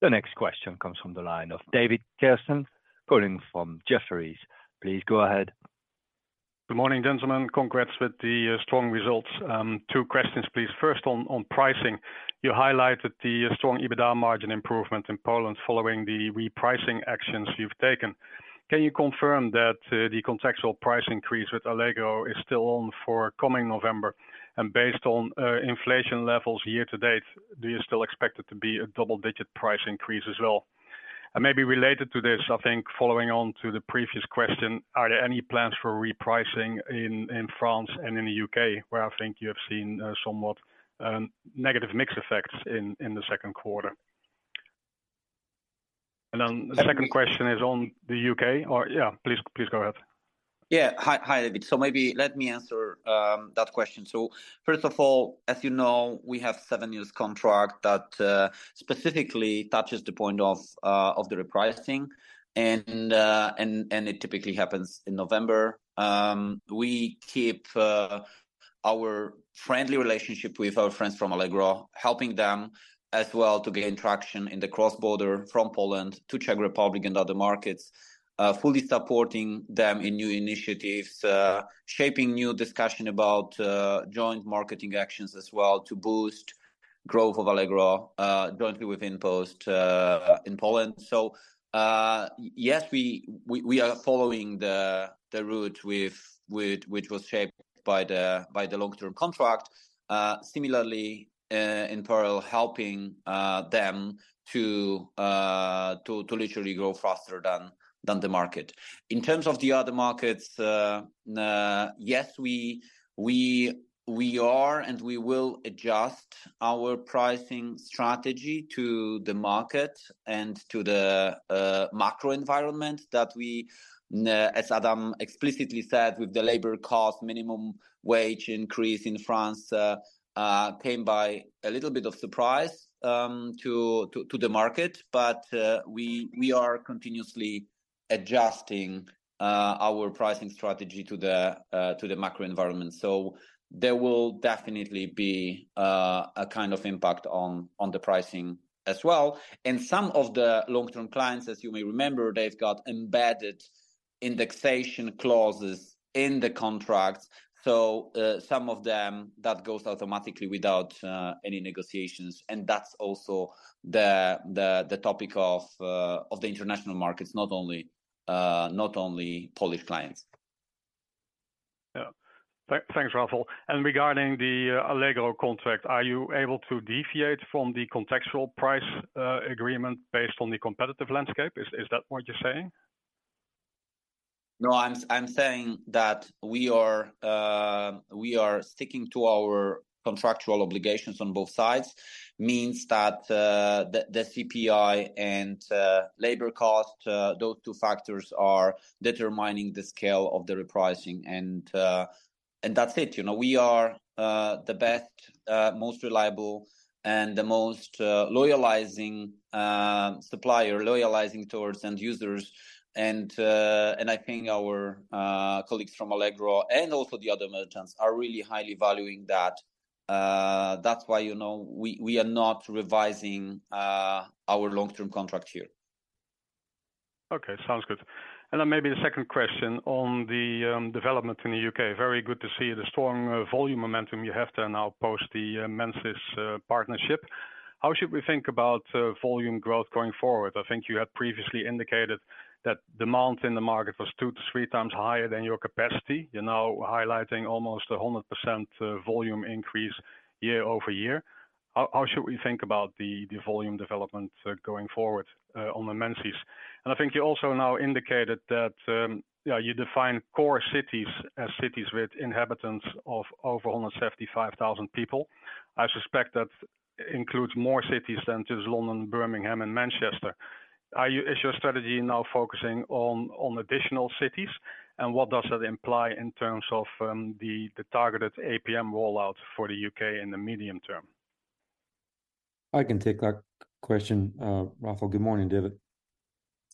The next question comes from the line of David Kerstens, calling from Jefferies. Please go ahead. Good morning, gentlemen. Congrats with the strong results. Two questions, please. First, on pricing. You highlighted the strong EBITDA margin improvement in Poland following the repricing actions you've taken. Can you confirm that the contextual price increase with Allegro is still on for coming November? And based on inflation levels year to date, do you still expect it to be a double-digit price increase as well? And maybe related to this, I think following on to the previous question, are there any plans for repricing in France and in the U.K., where I think you have seen somewhat negative mix effects in the second quarter? And then the second question is on the U.K. or... Yeah, please go ahead. Yeah. Hi, hi, David. So maybe let me answer that question. So first of all, as you know, we have seven years contract that specifically touches the point of the repricing, and it typically happens in November. We keep our friendly relationship with our friends from Allegro, helping them as well to gain traction in the cross-border from Poland to Czech Republic and other markets. Fully supporting them in new initiatives, shaping new discussion about joint marketing actions as well, to boost growth of Allegro jointly with InPost in Poland. So yes, we are following the route with which was shaped by the long-term contract. Similarly, in parallel, helping them to literally grow faster than the market. In terms of the other markets, yes, we are and we will adjust our pricing strategy to the market and to the macro environment that we, as Adam explicitly said, with the labor cost, minimum wage increase in France, came by a little bit of surprise to the market. But we are continuously adjusting our pricing strategy to the macro environment. So there will definitely be a kind of impact on the pricing as well. And some of the long-term clients, as you may remember, they've got embedded indexation clauses in the contract. So some of them, that goes automatically without any negotiations, and that's also the topic of the international markets, not only Polish clients. Yeah. Thanks, Rafał. And regarding the Allegro contract, are you able to deviate from the contextual price agreement based on the competitive landscape? Is that what you're saying? No, I'm saying that we are sticking to our contractual obligations on both sides. Means that the CPI and labor cost, those two factors are determining the scale of the repricing, and that's it. You know, we are the best, most reliable and the most loyalizing supplier, loyalizing towards end users. And I think our colleagues from Allegro and also the other merchants are really highly valuing that. That's why, you know, we are not revising our long-term contract here. Okay, sounds good. Then maybe the second question on the development in the U.K. Very good to see the strong volume momentum you have there now post the Menzies partnership. How should we think about volume growth going forward? I think you had previously indicated that demand in the market was 2x-3x higher than your capacity. You're now highlighting almost 100% volume increase year-over-year. How should we think about the volume development going forward on the Menzies? And I think you also now indicated that yeah, you define core cities as cities with inhabitants of over 175,000 people. I suspect that includes more cities than just London, Birmingham and Manchester. Is your strategy now focusing on additional cities? And what does that imply in terms of the targeted APM rollout for the U.K. in the medium term? I can take that question, Rafał. Good morning, David.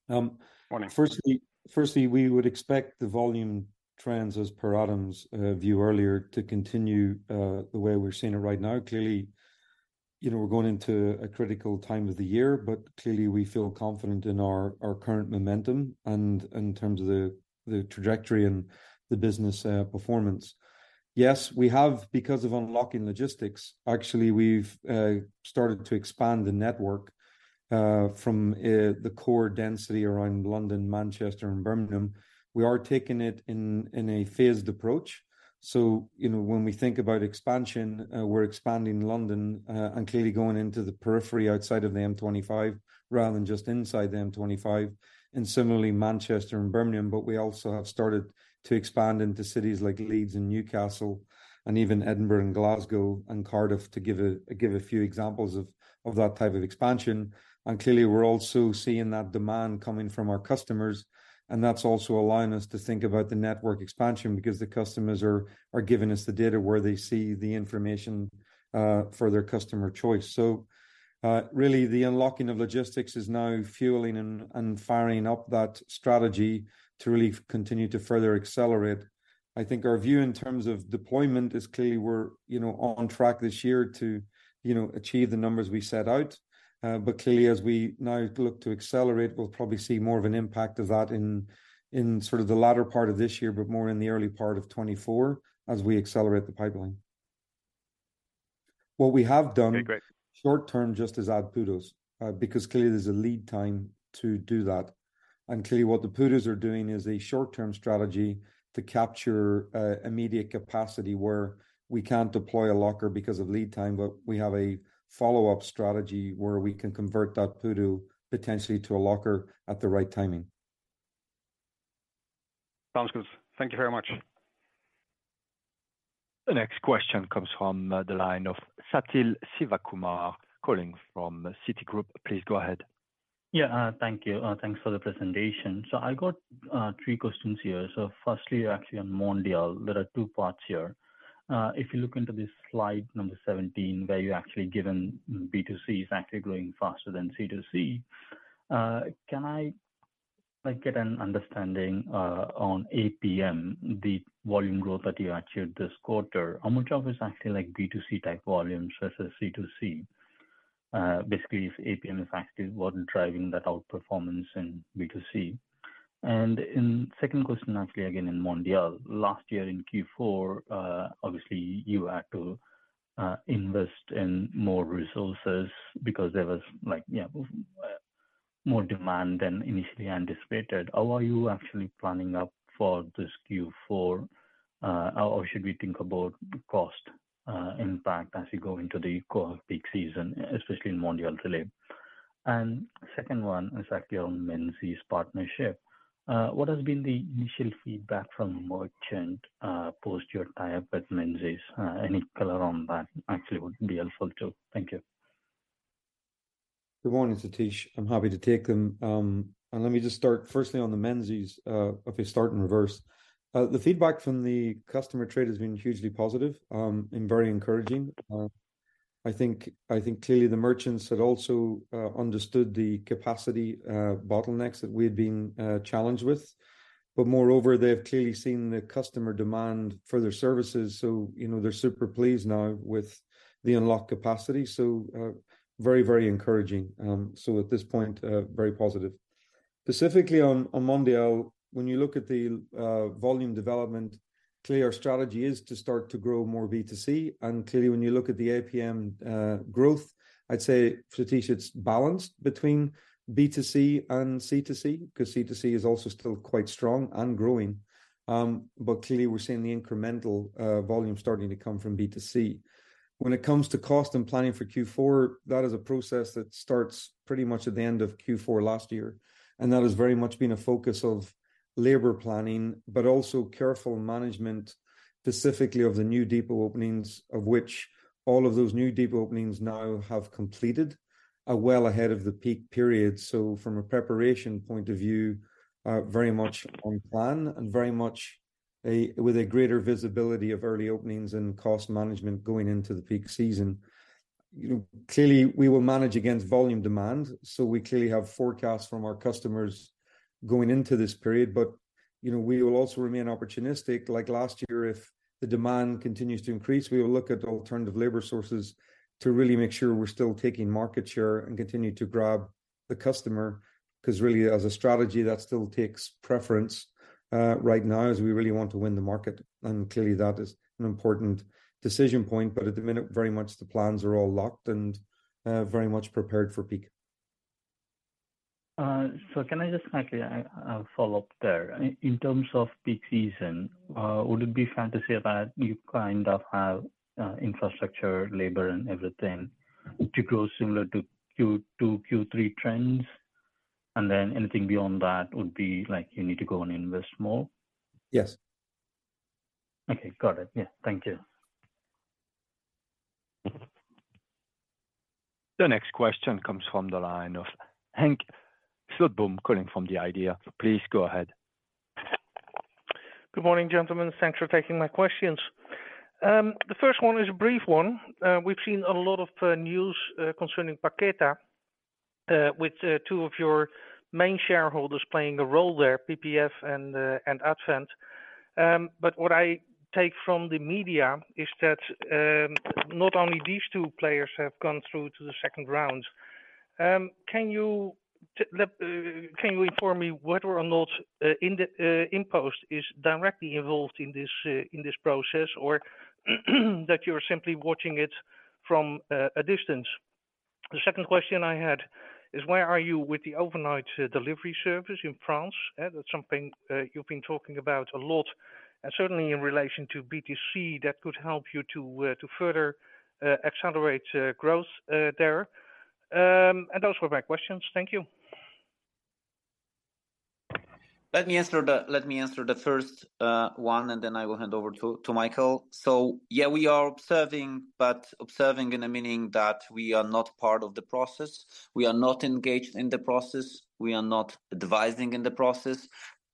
Morning. Firstly, firstly, we would expect the volume trends as per Adam's view earlier, to continue the way we're seeing it right now. Clearly, you know, we're going into a critical time of the year, but clearly we feel confident in our current momentum, and in terms of the trajectory and the business performance. Yes, we have, because of unlocking logistics, actually, we've started to expand the network from the core density around London, Manchester and Birmingham. We are taking it in a phased approach. So, you know, when we think about expansion, we're expanding London, and clearly going into the periphery outside of the M25 rather than just inside the M25, and similarly Manchester and Birmingham. But we also have started to expand into cities like Leeds and Newcastle, and even Edinburgh and Glasgow and Cardiff, to give a few examples of that type of expansion. And clearly, we're also seeing that demand coming from our customers, and that's also allowing us to think about the network expansion, because the customers are giving us the data where they see the information for their customer choice. So, really, the unlocking of logistics is now fueling and firing up that strategy to really continue to further accelerate. I think our view in terms of deployment is clearly we're, you know, on track this year to, you know, achieve the numbers we set out. But clearly, as we now look to accelerate, we'll probably see more of an impact of that in sort of the latter part of this year, but more in the early part of 2024 as we accelerate the pipeline. What we have done- Okay, great... short term, just is add PUDOs. Because clearly there's a lead time to do that. And clearly what the PUDOs are doing is a short-term strategy to capture immediate capacity, where we can't deploy a locker because of lead time. But we have a follow-up strategy where we can convert that PUDO potentially to a locker at the right timing. Sounds good. Thank you very much. The next question comes from the line of Sathish Sivakumar, calling from Citigroup. Please go ahead. Yeah, thank you. Thanks for the presentation. So I got three questions here. So firstly, actually on Mondial, there are two parts here. If you look into this slide number 17, where you're actually given B2C is actually growing faster than C2C. Can I, like, get an understanding on APM, the volume growth that you achieved this quarter? How much of it is actually like B2C type volume versus C2C? Basically if APM is actually what driving that outperformance in B2C. And in second question, actually, again, in Mondial. Last year in Q4, obviously, you had to invest in more resources because there was like, yeah, more demand than initially anticipated. How are you actually planning up for this Q4? How or should we think about the cost impact as you go into the core peak season, especially in Mondial Relay? The second one is actually on Menzies partnership. What has been the initial feedback from merchant post your tie-up at Menzies? Any color on that actually would be helpful too. Thank you. Good morning, Satish. I'm happy to take them. And let me just start firstly on the Menzies, if we start in reverse. The feedback from the customer trade has been hugely positive, and very encouraging. I think clearly the merchants had also understood the capacity bottlenecks that we had been challenged with. But moreover, they've clearly seen the customer demand for their services, so, you know, they're super pleased now with the unlocked capacity. So, very, very encouraging. So at this point, very positive. Specifically on Mondial, when you look at the volume development, clearly our strategy is to start to grow more B2C. And clearly, when you look at the APM growth, I'd say, Satish, it's balanced between B2C and C2C, because C2C is also still quite strong and growing. But clearly we're seeing the incremental volume starting to come from B2C. When it comes to cost and planning for Q4, that is a process that starts pretty much at the end of Q4 last year, and that has very much been a focus of labor planning, but also careful management, specifically of the new depot openings, of which all of those new depot openings now have completed, are well ahead of the peak period. So from a preparation point of view, are very much on plan and very much with a greater visibility of early openings and cost management going into the peak season. You know, clearly we will manage against volume demand, so we clearly have forecasts from our customers going into this period. But, you know, we will also remain opportunistic, like last year, if the demand continues to increase, we will look at alternative labor sources to really make sure we're still taking market share and continue to grab the customer. Because really, as a strategy, that still takes preference, right now, as we really want to win the market, and clearly that is an important decision point. But at the minute, very much the plans are all locked and, very much prepared for peak. Can I just quickly follow up there? In terms of peak season, would it be fair to say that you kind of have infrastructure, labor, and everything to grow similar to Q2, Q3 trends, and then anything beyond that would be like you need to go and invest more? Yes. Okay, got it. Yeah. Thank you.... The next question comes from the line of Henk Slotboom, calling from The IDEA!. Please go ahead. Good morning, gentlemen. Thanks for taking my questions. The first one is a brief one. We've seen a lot of news concerning Packeta, with two of your main shareholders playing a role there, PPF and Advent. But what I take from the media is that not only these two players have gone through to the second round. Can you tell me whether or not InPost is directly involved in this process, or that you're simply watching it from a distance? The second question I had is, where are you with the overnight delivery service in France? That's something you've been talking about a lot, and certainly in relation to B2C, that could help you to further accelerate growth there. Those were my questions. Thank you. Let me answer the first one, and then I will hand over to Michael. So yeah, we are observing, but observing in the meaning that we are not part of the process. We are not engaged in the process. We are not advising in the process.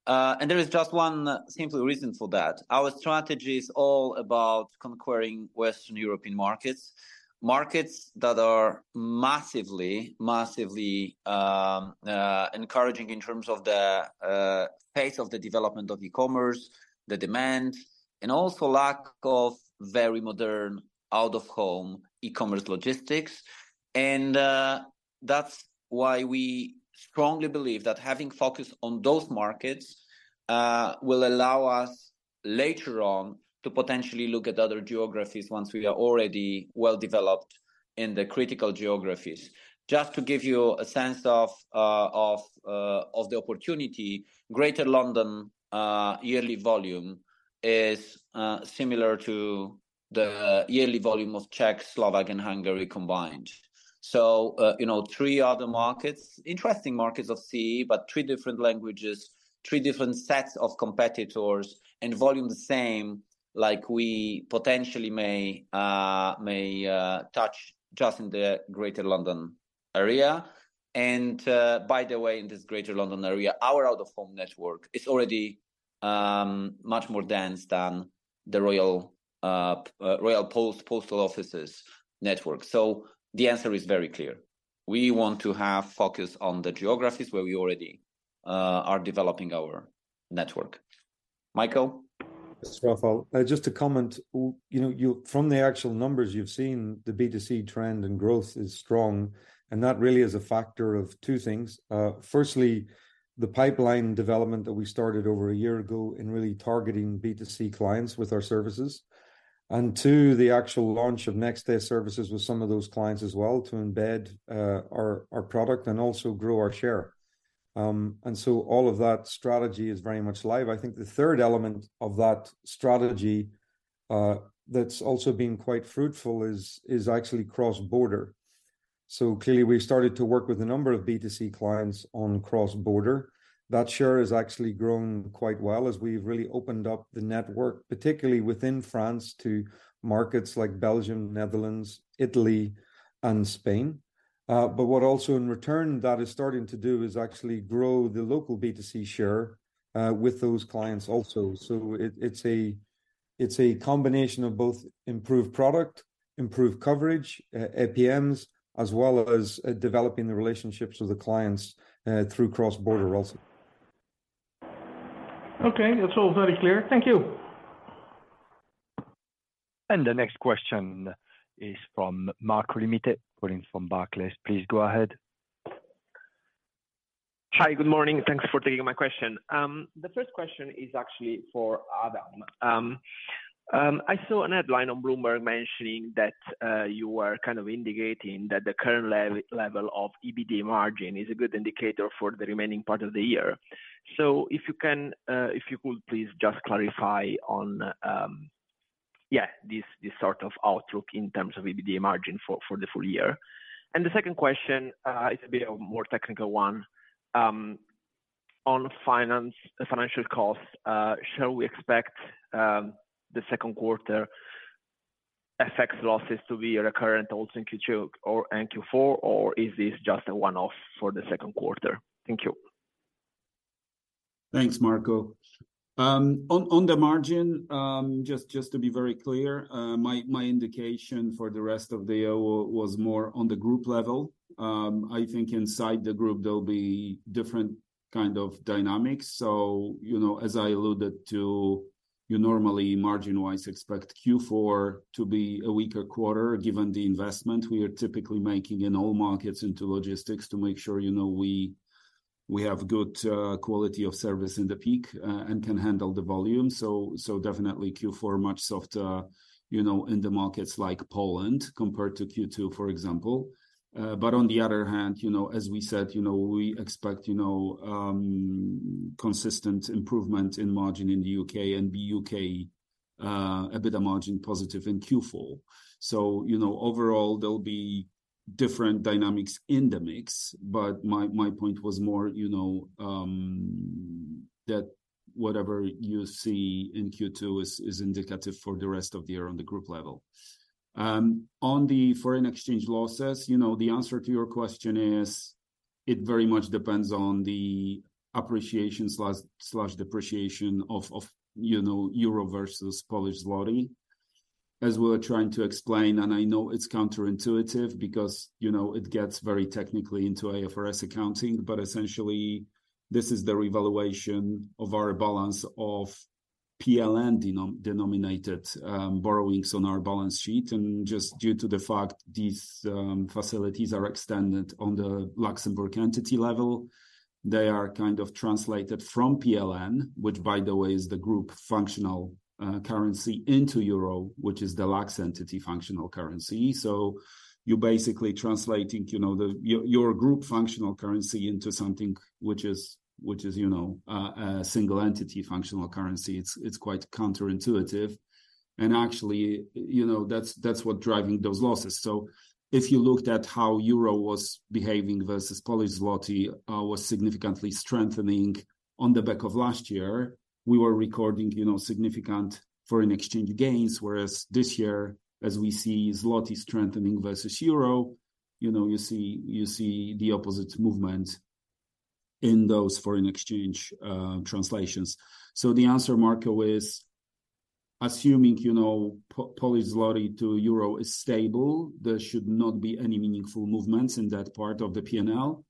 And there is just one simple reason for that. Our strategy is all about conquering Western European markets. Markets that are massively encouraging in terms of the pace of the development of e-commerce, the demand, and also lack of very modern, out-of-home e-commerce logistics. And that's why we strongly believe that having focused on those markets will allow us, later on, to potentially look at other geographies once we are already well-developed in the critical geographies. Just to give you a sense of the opportunity, Greater London yearly volume is similar to the yearly volume of Czech, Slovak, and Hungary combined. So, you know, three other markets, interesting markets of CE, but three different languages, three different sets of competitors, and volume the same, like we potentially may touch just in the Greater London area. And, by the way, in this Greater London area, our out-of-home network is already much more dense than the Royal Mail postal offices network. So the answer is very clear. We want to have focus on the geographies where we already are developing our network. Michael? Thanks, Rafał. Just to comment, you know, from the actual numbers you've seen, the B2C trend and growth is strong, and that really is a factor of two things. Firstly, the pipeline development that we started over a year ago in really targeting B2C clients with our services. And two, the actual launch of next day services with some of those clients as well, to embed our product and also grow our share. And so all of that strategy is very much live. I think the third element of that strategy that's also been quite fruitful is actually cross-border. So clearly, we've started to work with a number of B2C clients on cross-border. That share has actually grown quite well as we've really opened up the network, particularly within France, to markets like Belgium, Netherlands, Italy, and Spain. But what also in return that is starting to do is actually grow the local B2C share with those clients also. So it's a combination of both improved product, improved coverage, APMs, as well as developing the relationships with the clients through cross-border also. Okay, that's all very clear. Thank you. The next question is from Marco Limite, calling from Barclays. Please go ahead. Hi, good morning, thanks for taking my question. The first question is actually for Adam. I saw a headline on Bloomberg mentioning that you were kind of indicating that the current level of EBITDA margin is a good indicator for the remaining part of the year. So if you could please just clarify on this sort of outlook in terms of EBITDA margin for the full year. And the second question is a bit of a more technical one on finance, the financial costs. Shall we expect the second quarter FX losses to be recurrent also in Q2 or in Q4, or is this just a one-off for the second quarter? Thank you. Thanks, Marco. On the margin, just to be very clear, my indication for the rest of the year was more on the group level. I think inside the group, there'll be different kind of dynamics. So, you know, as I alluded to, you normally, margin-wise, expect Q4 to be a weaker quarter, given the investment we are typically making in all markets into logistics, to make sure, you know, we have good quality of service in the peak and can handle the volume. So definitely Q4, much softer, you know, in the markets like Poland, compared to Q2, for example. But on the other hand, you know, as we said, you know, consistent improvement in margin in the U.K. and U.K. EBITDA margin positive in Q4. You know, overall, there'll be different dynamics in the mix, but my point was more, you know.... that whatever you see in Q2 is indicative for the rest of the year on the group level. On the foreign exchange losses, you know, the answer to your question is, it very much depends on the appreciation slash depreciation of you know euro versus Polish zloty. As we're trying to explain, and I know it's counterintuitive because, you know, it gets very technically into IFRS accounting, but essentially, this is the revaluation of our balance of PLN-denominated borrowings on our balance sheet. And just due to the fact these facilities are extended on the Luxembourg entity level, they are kind of translated from PLN, which by the way, is the group functional currency into euro, which is the Lux entity functional currency. So you're basically translating, you know, your group functional currency into something which is, you know, a single entity functional currency. It's quite counterintuitive and actually, you know, that's what driving those losses. So if you looked at how euro was behaving versus Polish zloty was significantly strengthening on the back of last year, we were recording, you know, significant foreign exchange gains. Whereas this year, as we see zloty strengthening versus euro, you know, you see the opposite movement in those foreign exchange translations. So the answer, Marco, is assuming, you know, Polish zloty to euro is stable, there should not be any meaningful movements in that part of the P&L.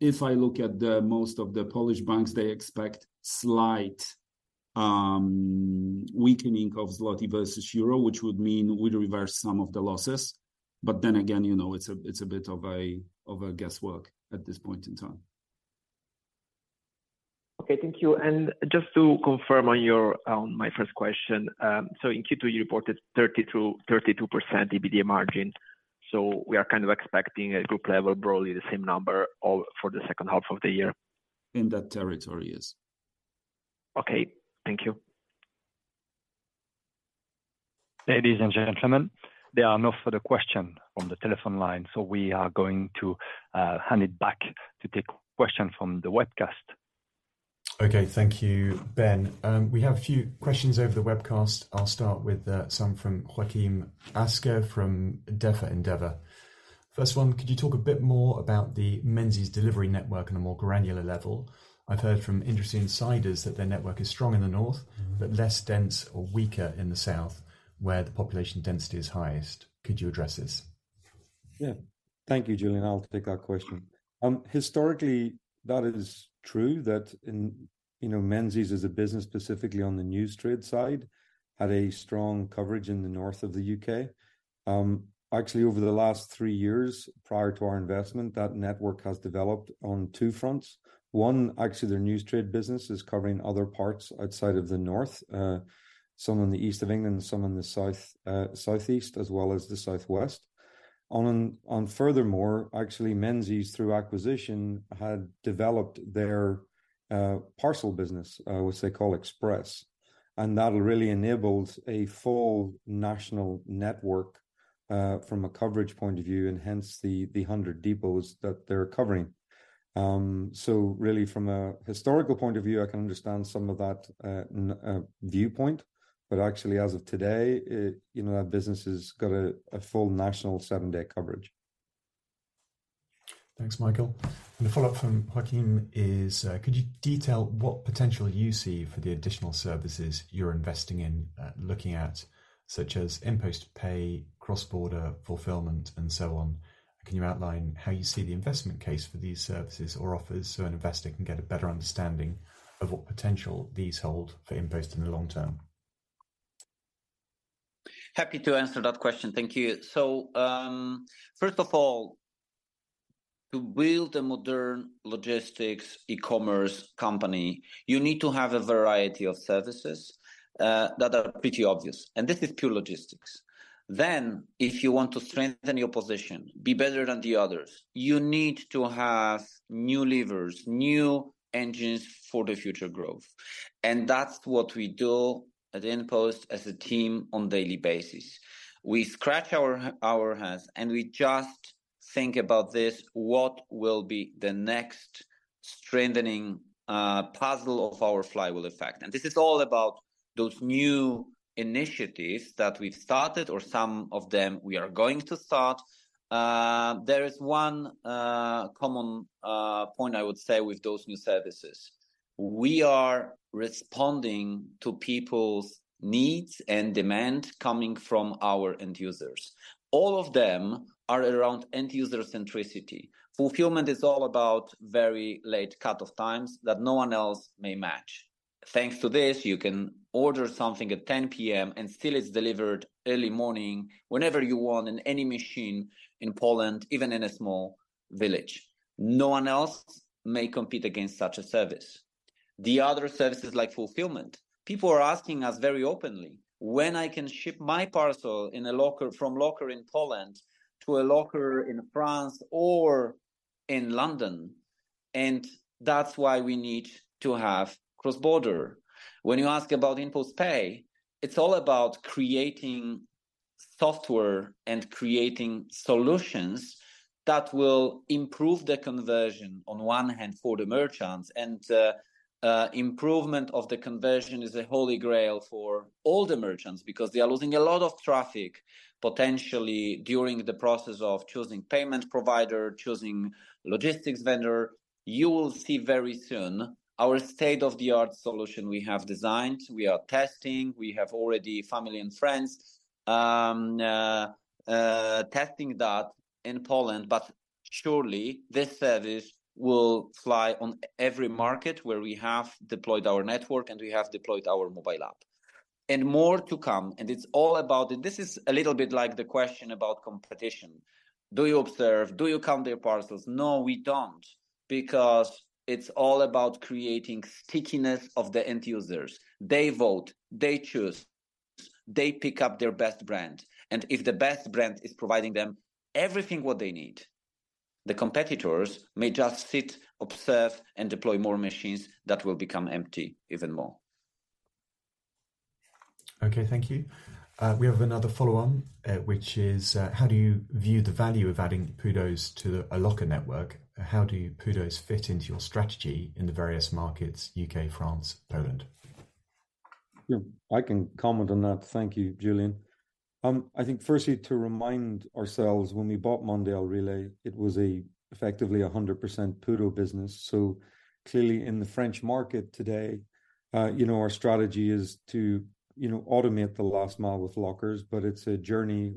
If I look at the most of the Polish banks, they expect slight weakening of zloty versus euro, which would mean we'd reverse some of the losses. But then again, you know, it's a bit of a guesswork at this point in time. Okay, thank you. Just to confirm on your, my first question, so in Q2, you reported 30%-32% EBITDA margin. We are kind of expecting a group level, broadly the same number all for the H2 of the year? In that territory, yes. Okay. Thank you. Ladies and gentlemen, there are no further question on the telephone line, so we are going to hand it back to take question from the webcast. Okay. Thank you, Ben. We have a few questions over the webcast. I'll start with some from Joakim Asker from DNB Asset Management. First one, could you talk a bit more about the Menzies delivery network on a more granular level? I've heard from industry insiders that their network is strong in the north, but less dense or weaker in the south, where the population density is highest. Could you address this? Yeah. Thank you, Julian. I'll take that question. Historically, that is true that in, you know, Menzies is a business specifically on the news trade side, had a strong coverage in the north of the U.K. Actually, over the last three years, prior to our investment, that network has developed on two fronts. One, actually, their news trade business is covering other parts outside of the north, some in the east of England, some in the south, southeast, as well as the southwest. And furthermore, actually, Menzies, through acquisition, had developed their parcel business, which they call Express, and that really enables a full national network, from a coverage point of view, and hence the 100 depots that they're covering. So really, from a historical point of view, I can understand some of that viewpoint, but actually, as of today, it, you know, that business has got a full national seven-day coverage. Thanks, Michael. A follow-up from Joaquin is, could you detail what potential you see for the additional services you're investing in, looking at, such as InPost Pay, cross-border, fulfillment, and so on? Can you outline how you see the investment case for these services or offers, so an investor can get a better understanding of what potential these hold for InPost in the long term? Happy to answer that question. Thank you. So, first of all, to build a modern logistics e-commerce company, you need to have a variety of services, that are pretty obvious, and this is pure logistics. Then, if you want to strengthen your position, be better than the others, you need to have new levers, new engines for the future growth. And that's what we do at InPost as a team on daily basis. We scratch our hands, and we just think about this: What will be the next strengthening, puzzle of our flywheel effect? And this is all about those new initiatives that we've started, or some of them we are going to start. There is one common point I would say with those new services. We are responding to people's needs and demand coming from our end users. All of them are around end-user centricity. Fulfillment is all about very late cut-off times that no one else may match. Thanks to this, you can order something at 10PM and still it's delivered early morning, whenever you want, in any machine in Poland, even in a small village. No one else may compete against such a service. The other services like fulfillment, people are asking us very openly, "When I can ship my parcel in a locker, from locker in Poland to a locker in France or in London?" And that's why we need to have cross-border. When you ask about InPost Pay, it's all about creating software and creating solutions that will improve the conversion on one hand for the merchants. Improvement of the conversion is a holy grail for all the merchants, because they are losing a lot of traffic, potentially during the process of choosing payment provider, choosing logistics vendor. You will see very soon our state-of-the-art solution we have designed. We are testing, we have already family and friends testing that in Poland, but surely this service will fly on every market where we have deployed our network and we have deployed our mobile app. And more to come, and it's all about this—this is a little bit like the question about competition. Do you observe? Do you count their parcels? No, we don't, because it's all about creating stickiness of the end users. They vote, they choose, they pick up their best brand, and if the best brand is providing them everything what they need, the competitors may just sit, observe, and deploy more machines that will become empty even more. Okay, thank you. We have another follow-on, which is: How do you view the value of adding PUDOs to a locker network? How do PUDOs fit into your strategy in the various markets, U.K., France, Poland? Yeah, I can comment on that. Thank you, Julian. I think firstly, to remind ourselves, when we bought Mondial Relay, it was effectively 100% PUDO business. So clearly, in the French market today, you know, our strategy is to, you know, automate the last mile with lockers. But it's a journey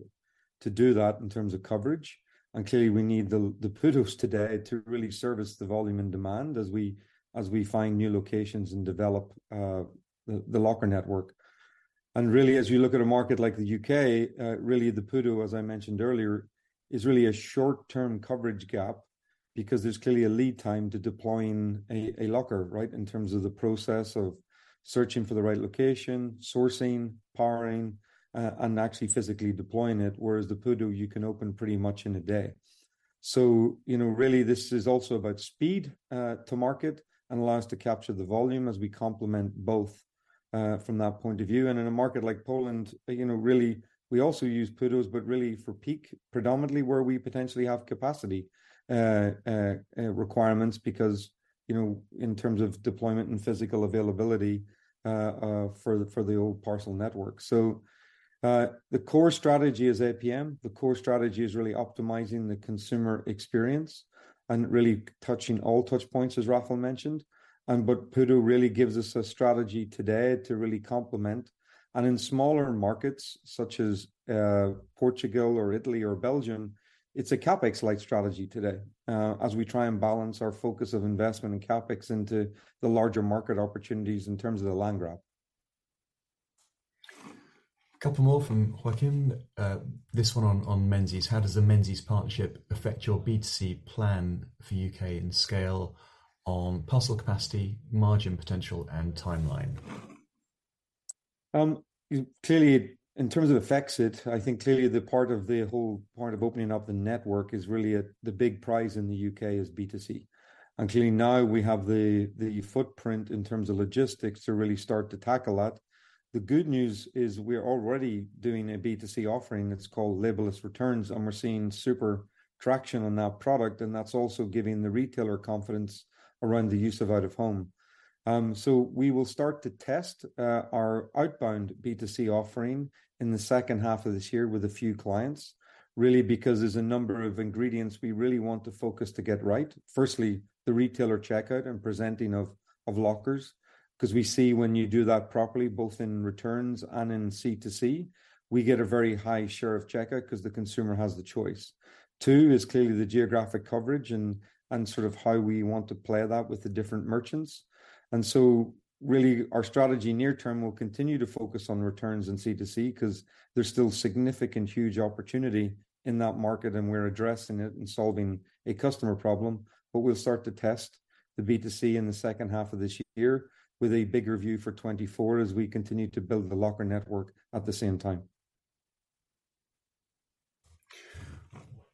to do that in terms of coverage, and clearly, we need the PUDOs today to really service the volume and demand as we find new locations and develop the locker network. And really, as you look at a market like the U.K., really, the PUDO, as I mentioned earlier, is really a short-term coverage gap because there's clearly a lead time to deploying a locker, right? In terms of the process of searching for the right location, sourcing, powering, and actually physically deploying it, whereas the PUDO, you can open pretty much in a day. So, you know, really this is also about speed to market and allows to capture the volume as we complement both from that point of view. And in a market like Poland, you know, really, we also use PUDOs, but really for peak, predominantly where we potentially have capacity requirements, because, you know, in terms of deployment and physical availability for the old parcel network. So, the core strategy is APM. The core strategy is really optimizing the consumer experience and really touching all touch points, as Rafał mentioned. But PUDO really gives us a strategy today to really complement. In smaller markets such as Portugal, Italy, or Belgium, it's a CapEx-like strategy today, as we try and balance our focus of investment and CapEx into the larger market opportunities in terms of the land grab. Couple more from Joaquin. This one on Menzies: How does the Menzies partnership affect your B2C plan for U.K. and scale on parcel capacity, margin potential, and timeline? Clearly, in terms of effects it, I think clearly the part of the whole point of opening up the network is really the big prize in the U.K. is B2C. And clearly now we have the footprint in terms of logistics to really start to tackle that. The good news is we're already doing a B2C offering that's called Labelless Returns, and we're seeing super traction on that product, and that's also giving the retailer confidence around the use of out-of-home. So we will start to test our outbound B2C offering in the H2 of this year with a few clients, really, because there's a number of ingredients we really want to focus to get right. Firstly, the retailer checkout and presenting of lockers, because we see when you do that properly, both in returns and in C2C, we get a very high share of checkout because the consumer has the choice. Two is clearly the geographic coverage and sort of how we want to play that with the different merchants. And so really, our strategy near term will continue to focus on returns and C2C, because there's still significant, huge opportunity in that market, and we're addressing it and solving a customer problem. But we'll start to test the B2C in the H2 of this year, with a bigger view for 2024 as we continue to build the locker network at the same time.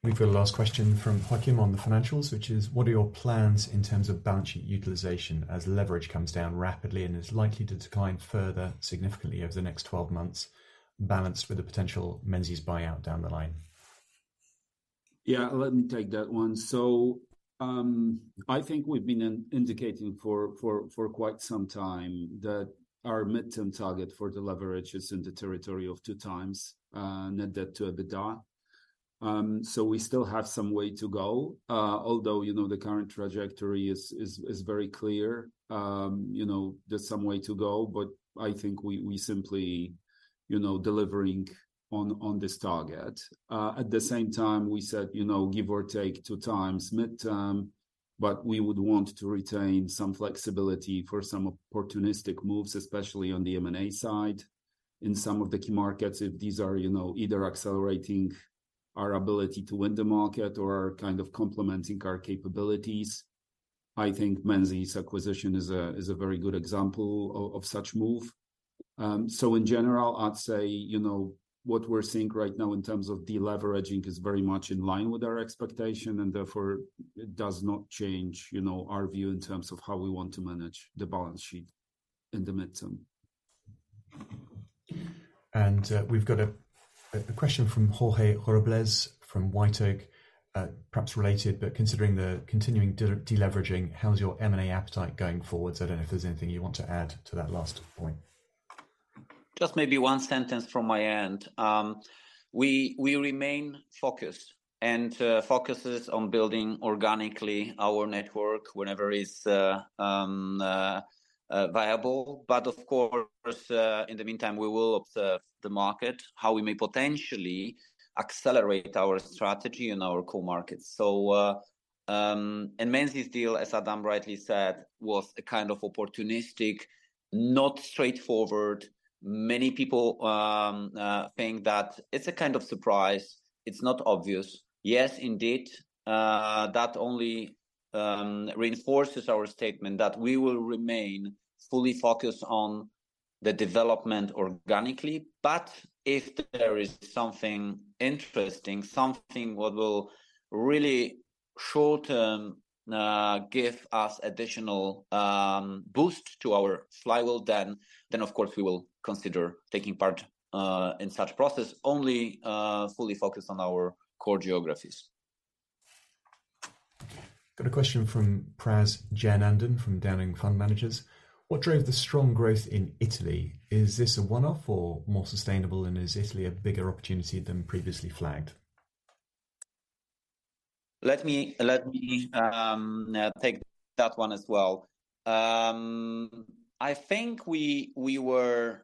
We've got a last question from Joaquin on the financials, which is: What are your plans in terms of balance sheet utilization as leverage comes down rapidly and is likely to decline further, significantly over the next 12 months, balanced with a potential Menzies buyout down the line? Yeah, let me take that one. So, I think we've been indicating for quite some time that our midterm target for the leverage is in the territory of 2x net debt to EBITDA. So we still have some way to go, although, you know, the current trajectory is very clear. You know, there's some way to go, but I think we simply, you know, delivering on this target. At the same time, we said, you know, give or take 2x midterm, but we would want to retain some flexibility for some opportunistic moves, especially on the M&A side, in some of the key markets, if these are, you know, either accelerating our ability to win the market or are kind of complementing our capabilities. I think Menzies acquisition is a very good example of such move. So in general, I'd say, you know, what we're seeing right now in terms of deleveraging is very much in line with our expectation, and therefore, it does not change, you know, our view in terms of how we want to manage the balance sheet.... in the midterm. We've got a question from Jorge Robles from White Oak. Perhaps related, but considering the continuing deleveraging, how's your M&A appetite going forward? I don't know if there's anything you want to add to that last point. Just maybe one sentence from my end. We remain focused, and focus is on building organically our network whenever is viable. But of course, in the meantime, we will observe the market, how we may potentially accelerate our strategy in our core markets. So, and Menzies deal, as Adam rightly said, was a kind of opportunistic, not straightforward. Many people think that it's a kind of surprise. It's not obvious. Yes, indeed, that only reinforces our statement that we will remain fully focused on the development organically. But if there is something interesting, something what will really short term give us additional boost to our flywheel, then, of course, we will consider taking part in such process only fully focused on our core geographies. Got a question from Pras Jeyanandhan from Downing Fund Managers: What drove the strong growth in Italy? Is this a one-off or more sustainable, and is Italy a bigger opportunity than previously flagged? Let me take that one as well. I think we were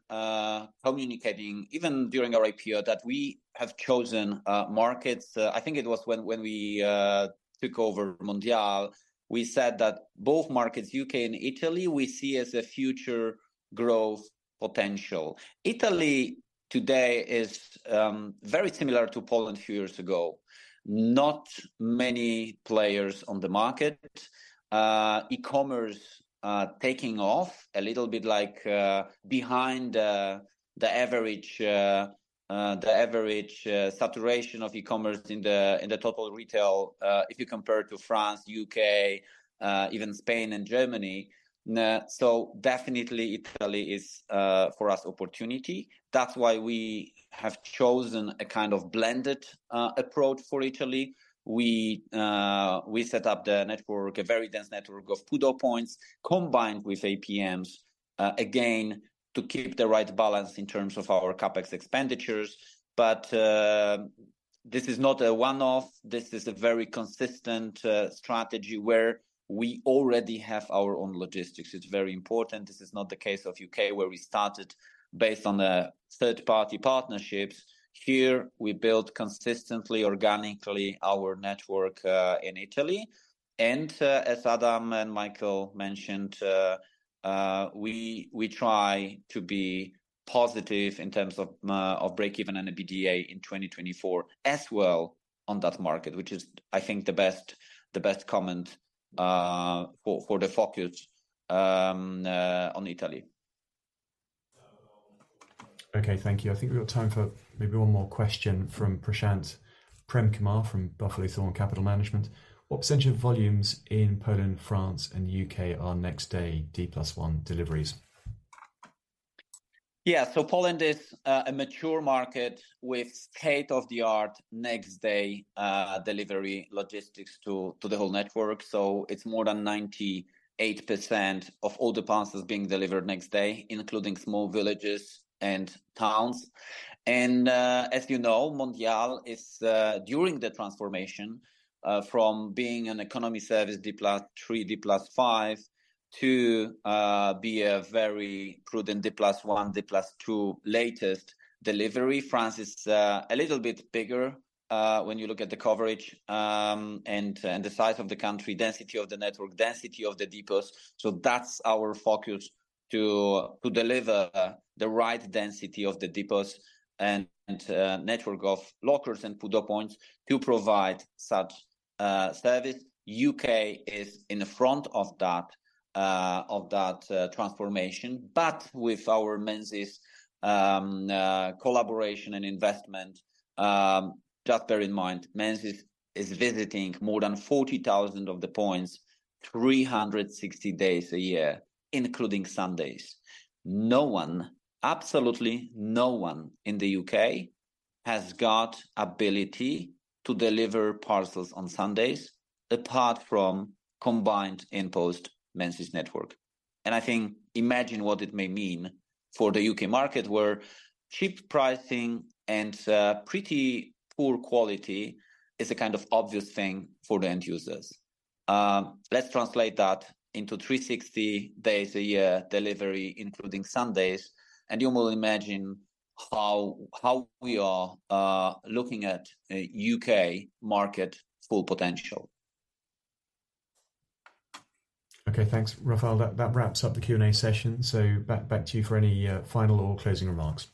communicating even during our IPO, that we have chosen markets. I think it was when we took over Mondial. We said that both markets, U.K. and Italy, we see as a future growth potential. Italy today is very similar to Poland a few years ago. Not many players on the market. E-commerce taking off a little bit like behind the average saturation of e-commerce in the total retail if you compare to France, U.K., even Spain and Germany. So definitely Italy is for us opportunity. That's why we have chosen a kind of blended approach for Italy. We, we set up the network, a very dense network of PUDO points, combined with APMs, again, to keep the right balance in terms of our CapEx expenditures. But, this is not a one-off. This is a very consistent, strategy where we already have our own logistics. It's very important. This is not the case of U.K., where we started based on the third-party partnerships. Here, we build consistently, organically, our network, in Italy, and, as Adam and Michael mentioned, we, we try to be positive in terms of, of break-even and EBITDA in 2024 as well on that market, which is, I think, the best, the best comment, for, for the focus, on Italy. Okay, thank you. I think we've got time for maybe one more question from Prashant Premkumar, from Buffalo Thorne Capital Management. What percentage of volumes in Poland, France, and U.K. are next-day D+1 deliveries? Yeah. So Poland is a mature market with state-of-the-art, next day delivery logistics to the whole network. So it's more than 98% of all the parcels being delivered next day, including small villages and towns. And, as you know, Mondial is during the transformation from being an economy service D+3, D+5, to be a very prudent D+1, D+2 latest delivery. France is a little bit bigger when you look at the coverage, and the size of the country, density of the network, density of the depots. So that's our focus to deliver the right density of the depots and network of lockers and PUDO points to provide such service. U.K. is in the front of that transformation, but with our Menzies collaboration and investment, just bear in mind, Menzies is visiting more than 40,000 of the points, 360 days a year, including Sundays. No one, absolutely no one in the U.K., has got ability to deliver parcels on Sundays, apart from combined InPost, Menzies network. And I think imagine what it may mean for the U.K. market, where cheap pricing and pretty poor quality is a kind of obvious thing for the end users. Let's translate that into 360 days a year delivery, including Sundays, and you will imagine how we are looking at a U.K. market full potential. Okay, thanks, Rafał. That, that wraps up the Q&A session. So back, back to you for any final or closing remarks.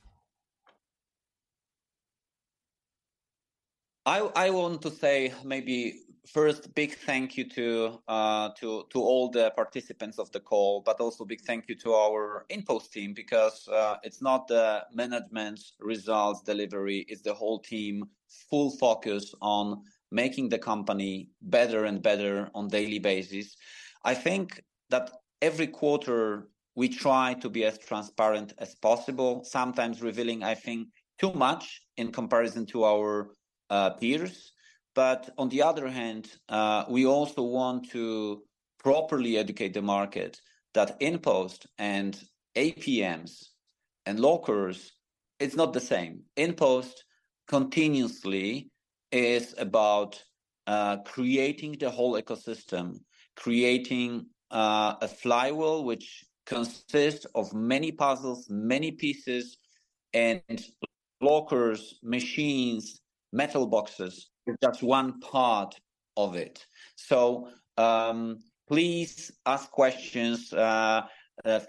I want to say maybe first, big thank you to all the participants of the call, but also big thank you to our InPost team because it's not the management's results, delivery, it's the whole team, full focus on making the company better and better on daily basis. I think that every quarter we try to be as transparent as possible, sometimes revealing, I think, too much in comparison to our peers. But on the other hand, we also want to properly educate the market that InPost and APMs and lockers, it's not the same. InPost continuously is about creating the whole ecosystem, creating a flywheel, which consists of many puzzles, many pieces and lockers, machines, metal boxes. That's one part of it. Please ask questions.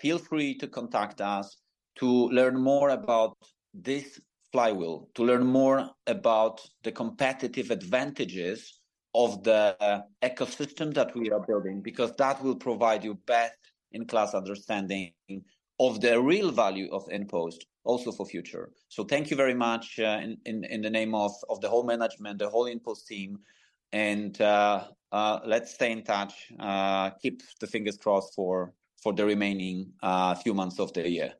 Feel free to contact us to learn more about this flywheel, to learn more about the competitive advantages of the ecosystem that we are building, because that will provide you best-in-class understanding of the real value of InPost, also for future. So thank you very much, in the name of the whole management, the whole InPost team, and let's stay in touch. Keep the fingers crossed for the remaining few months of the year.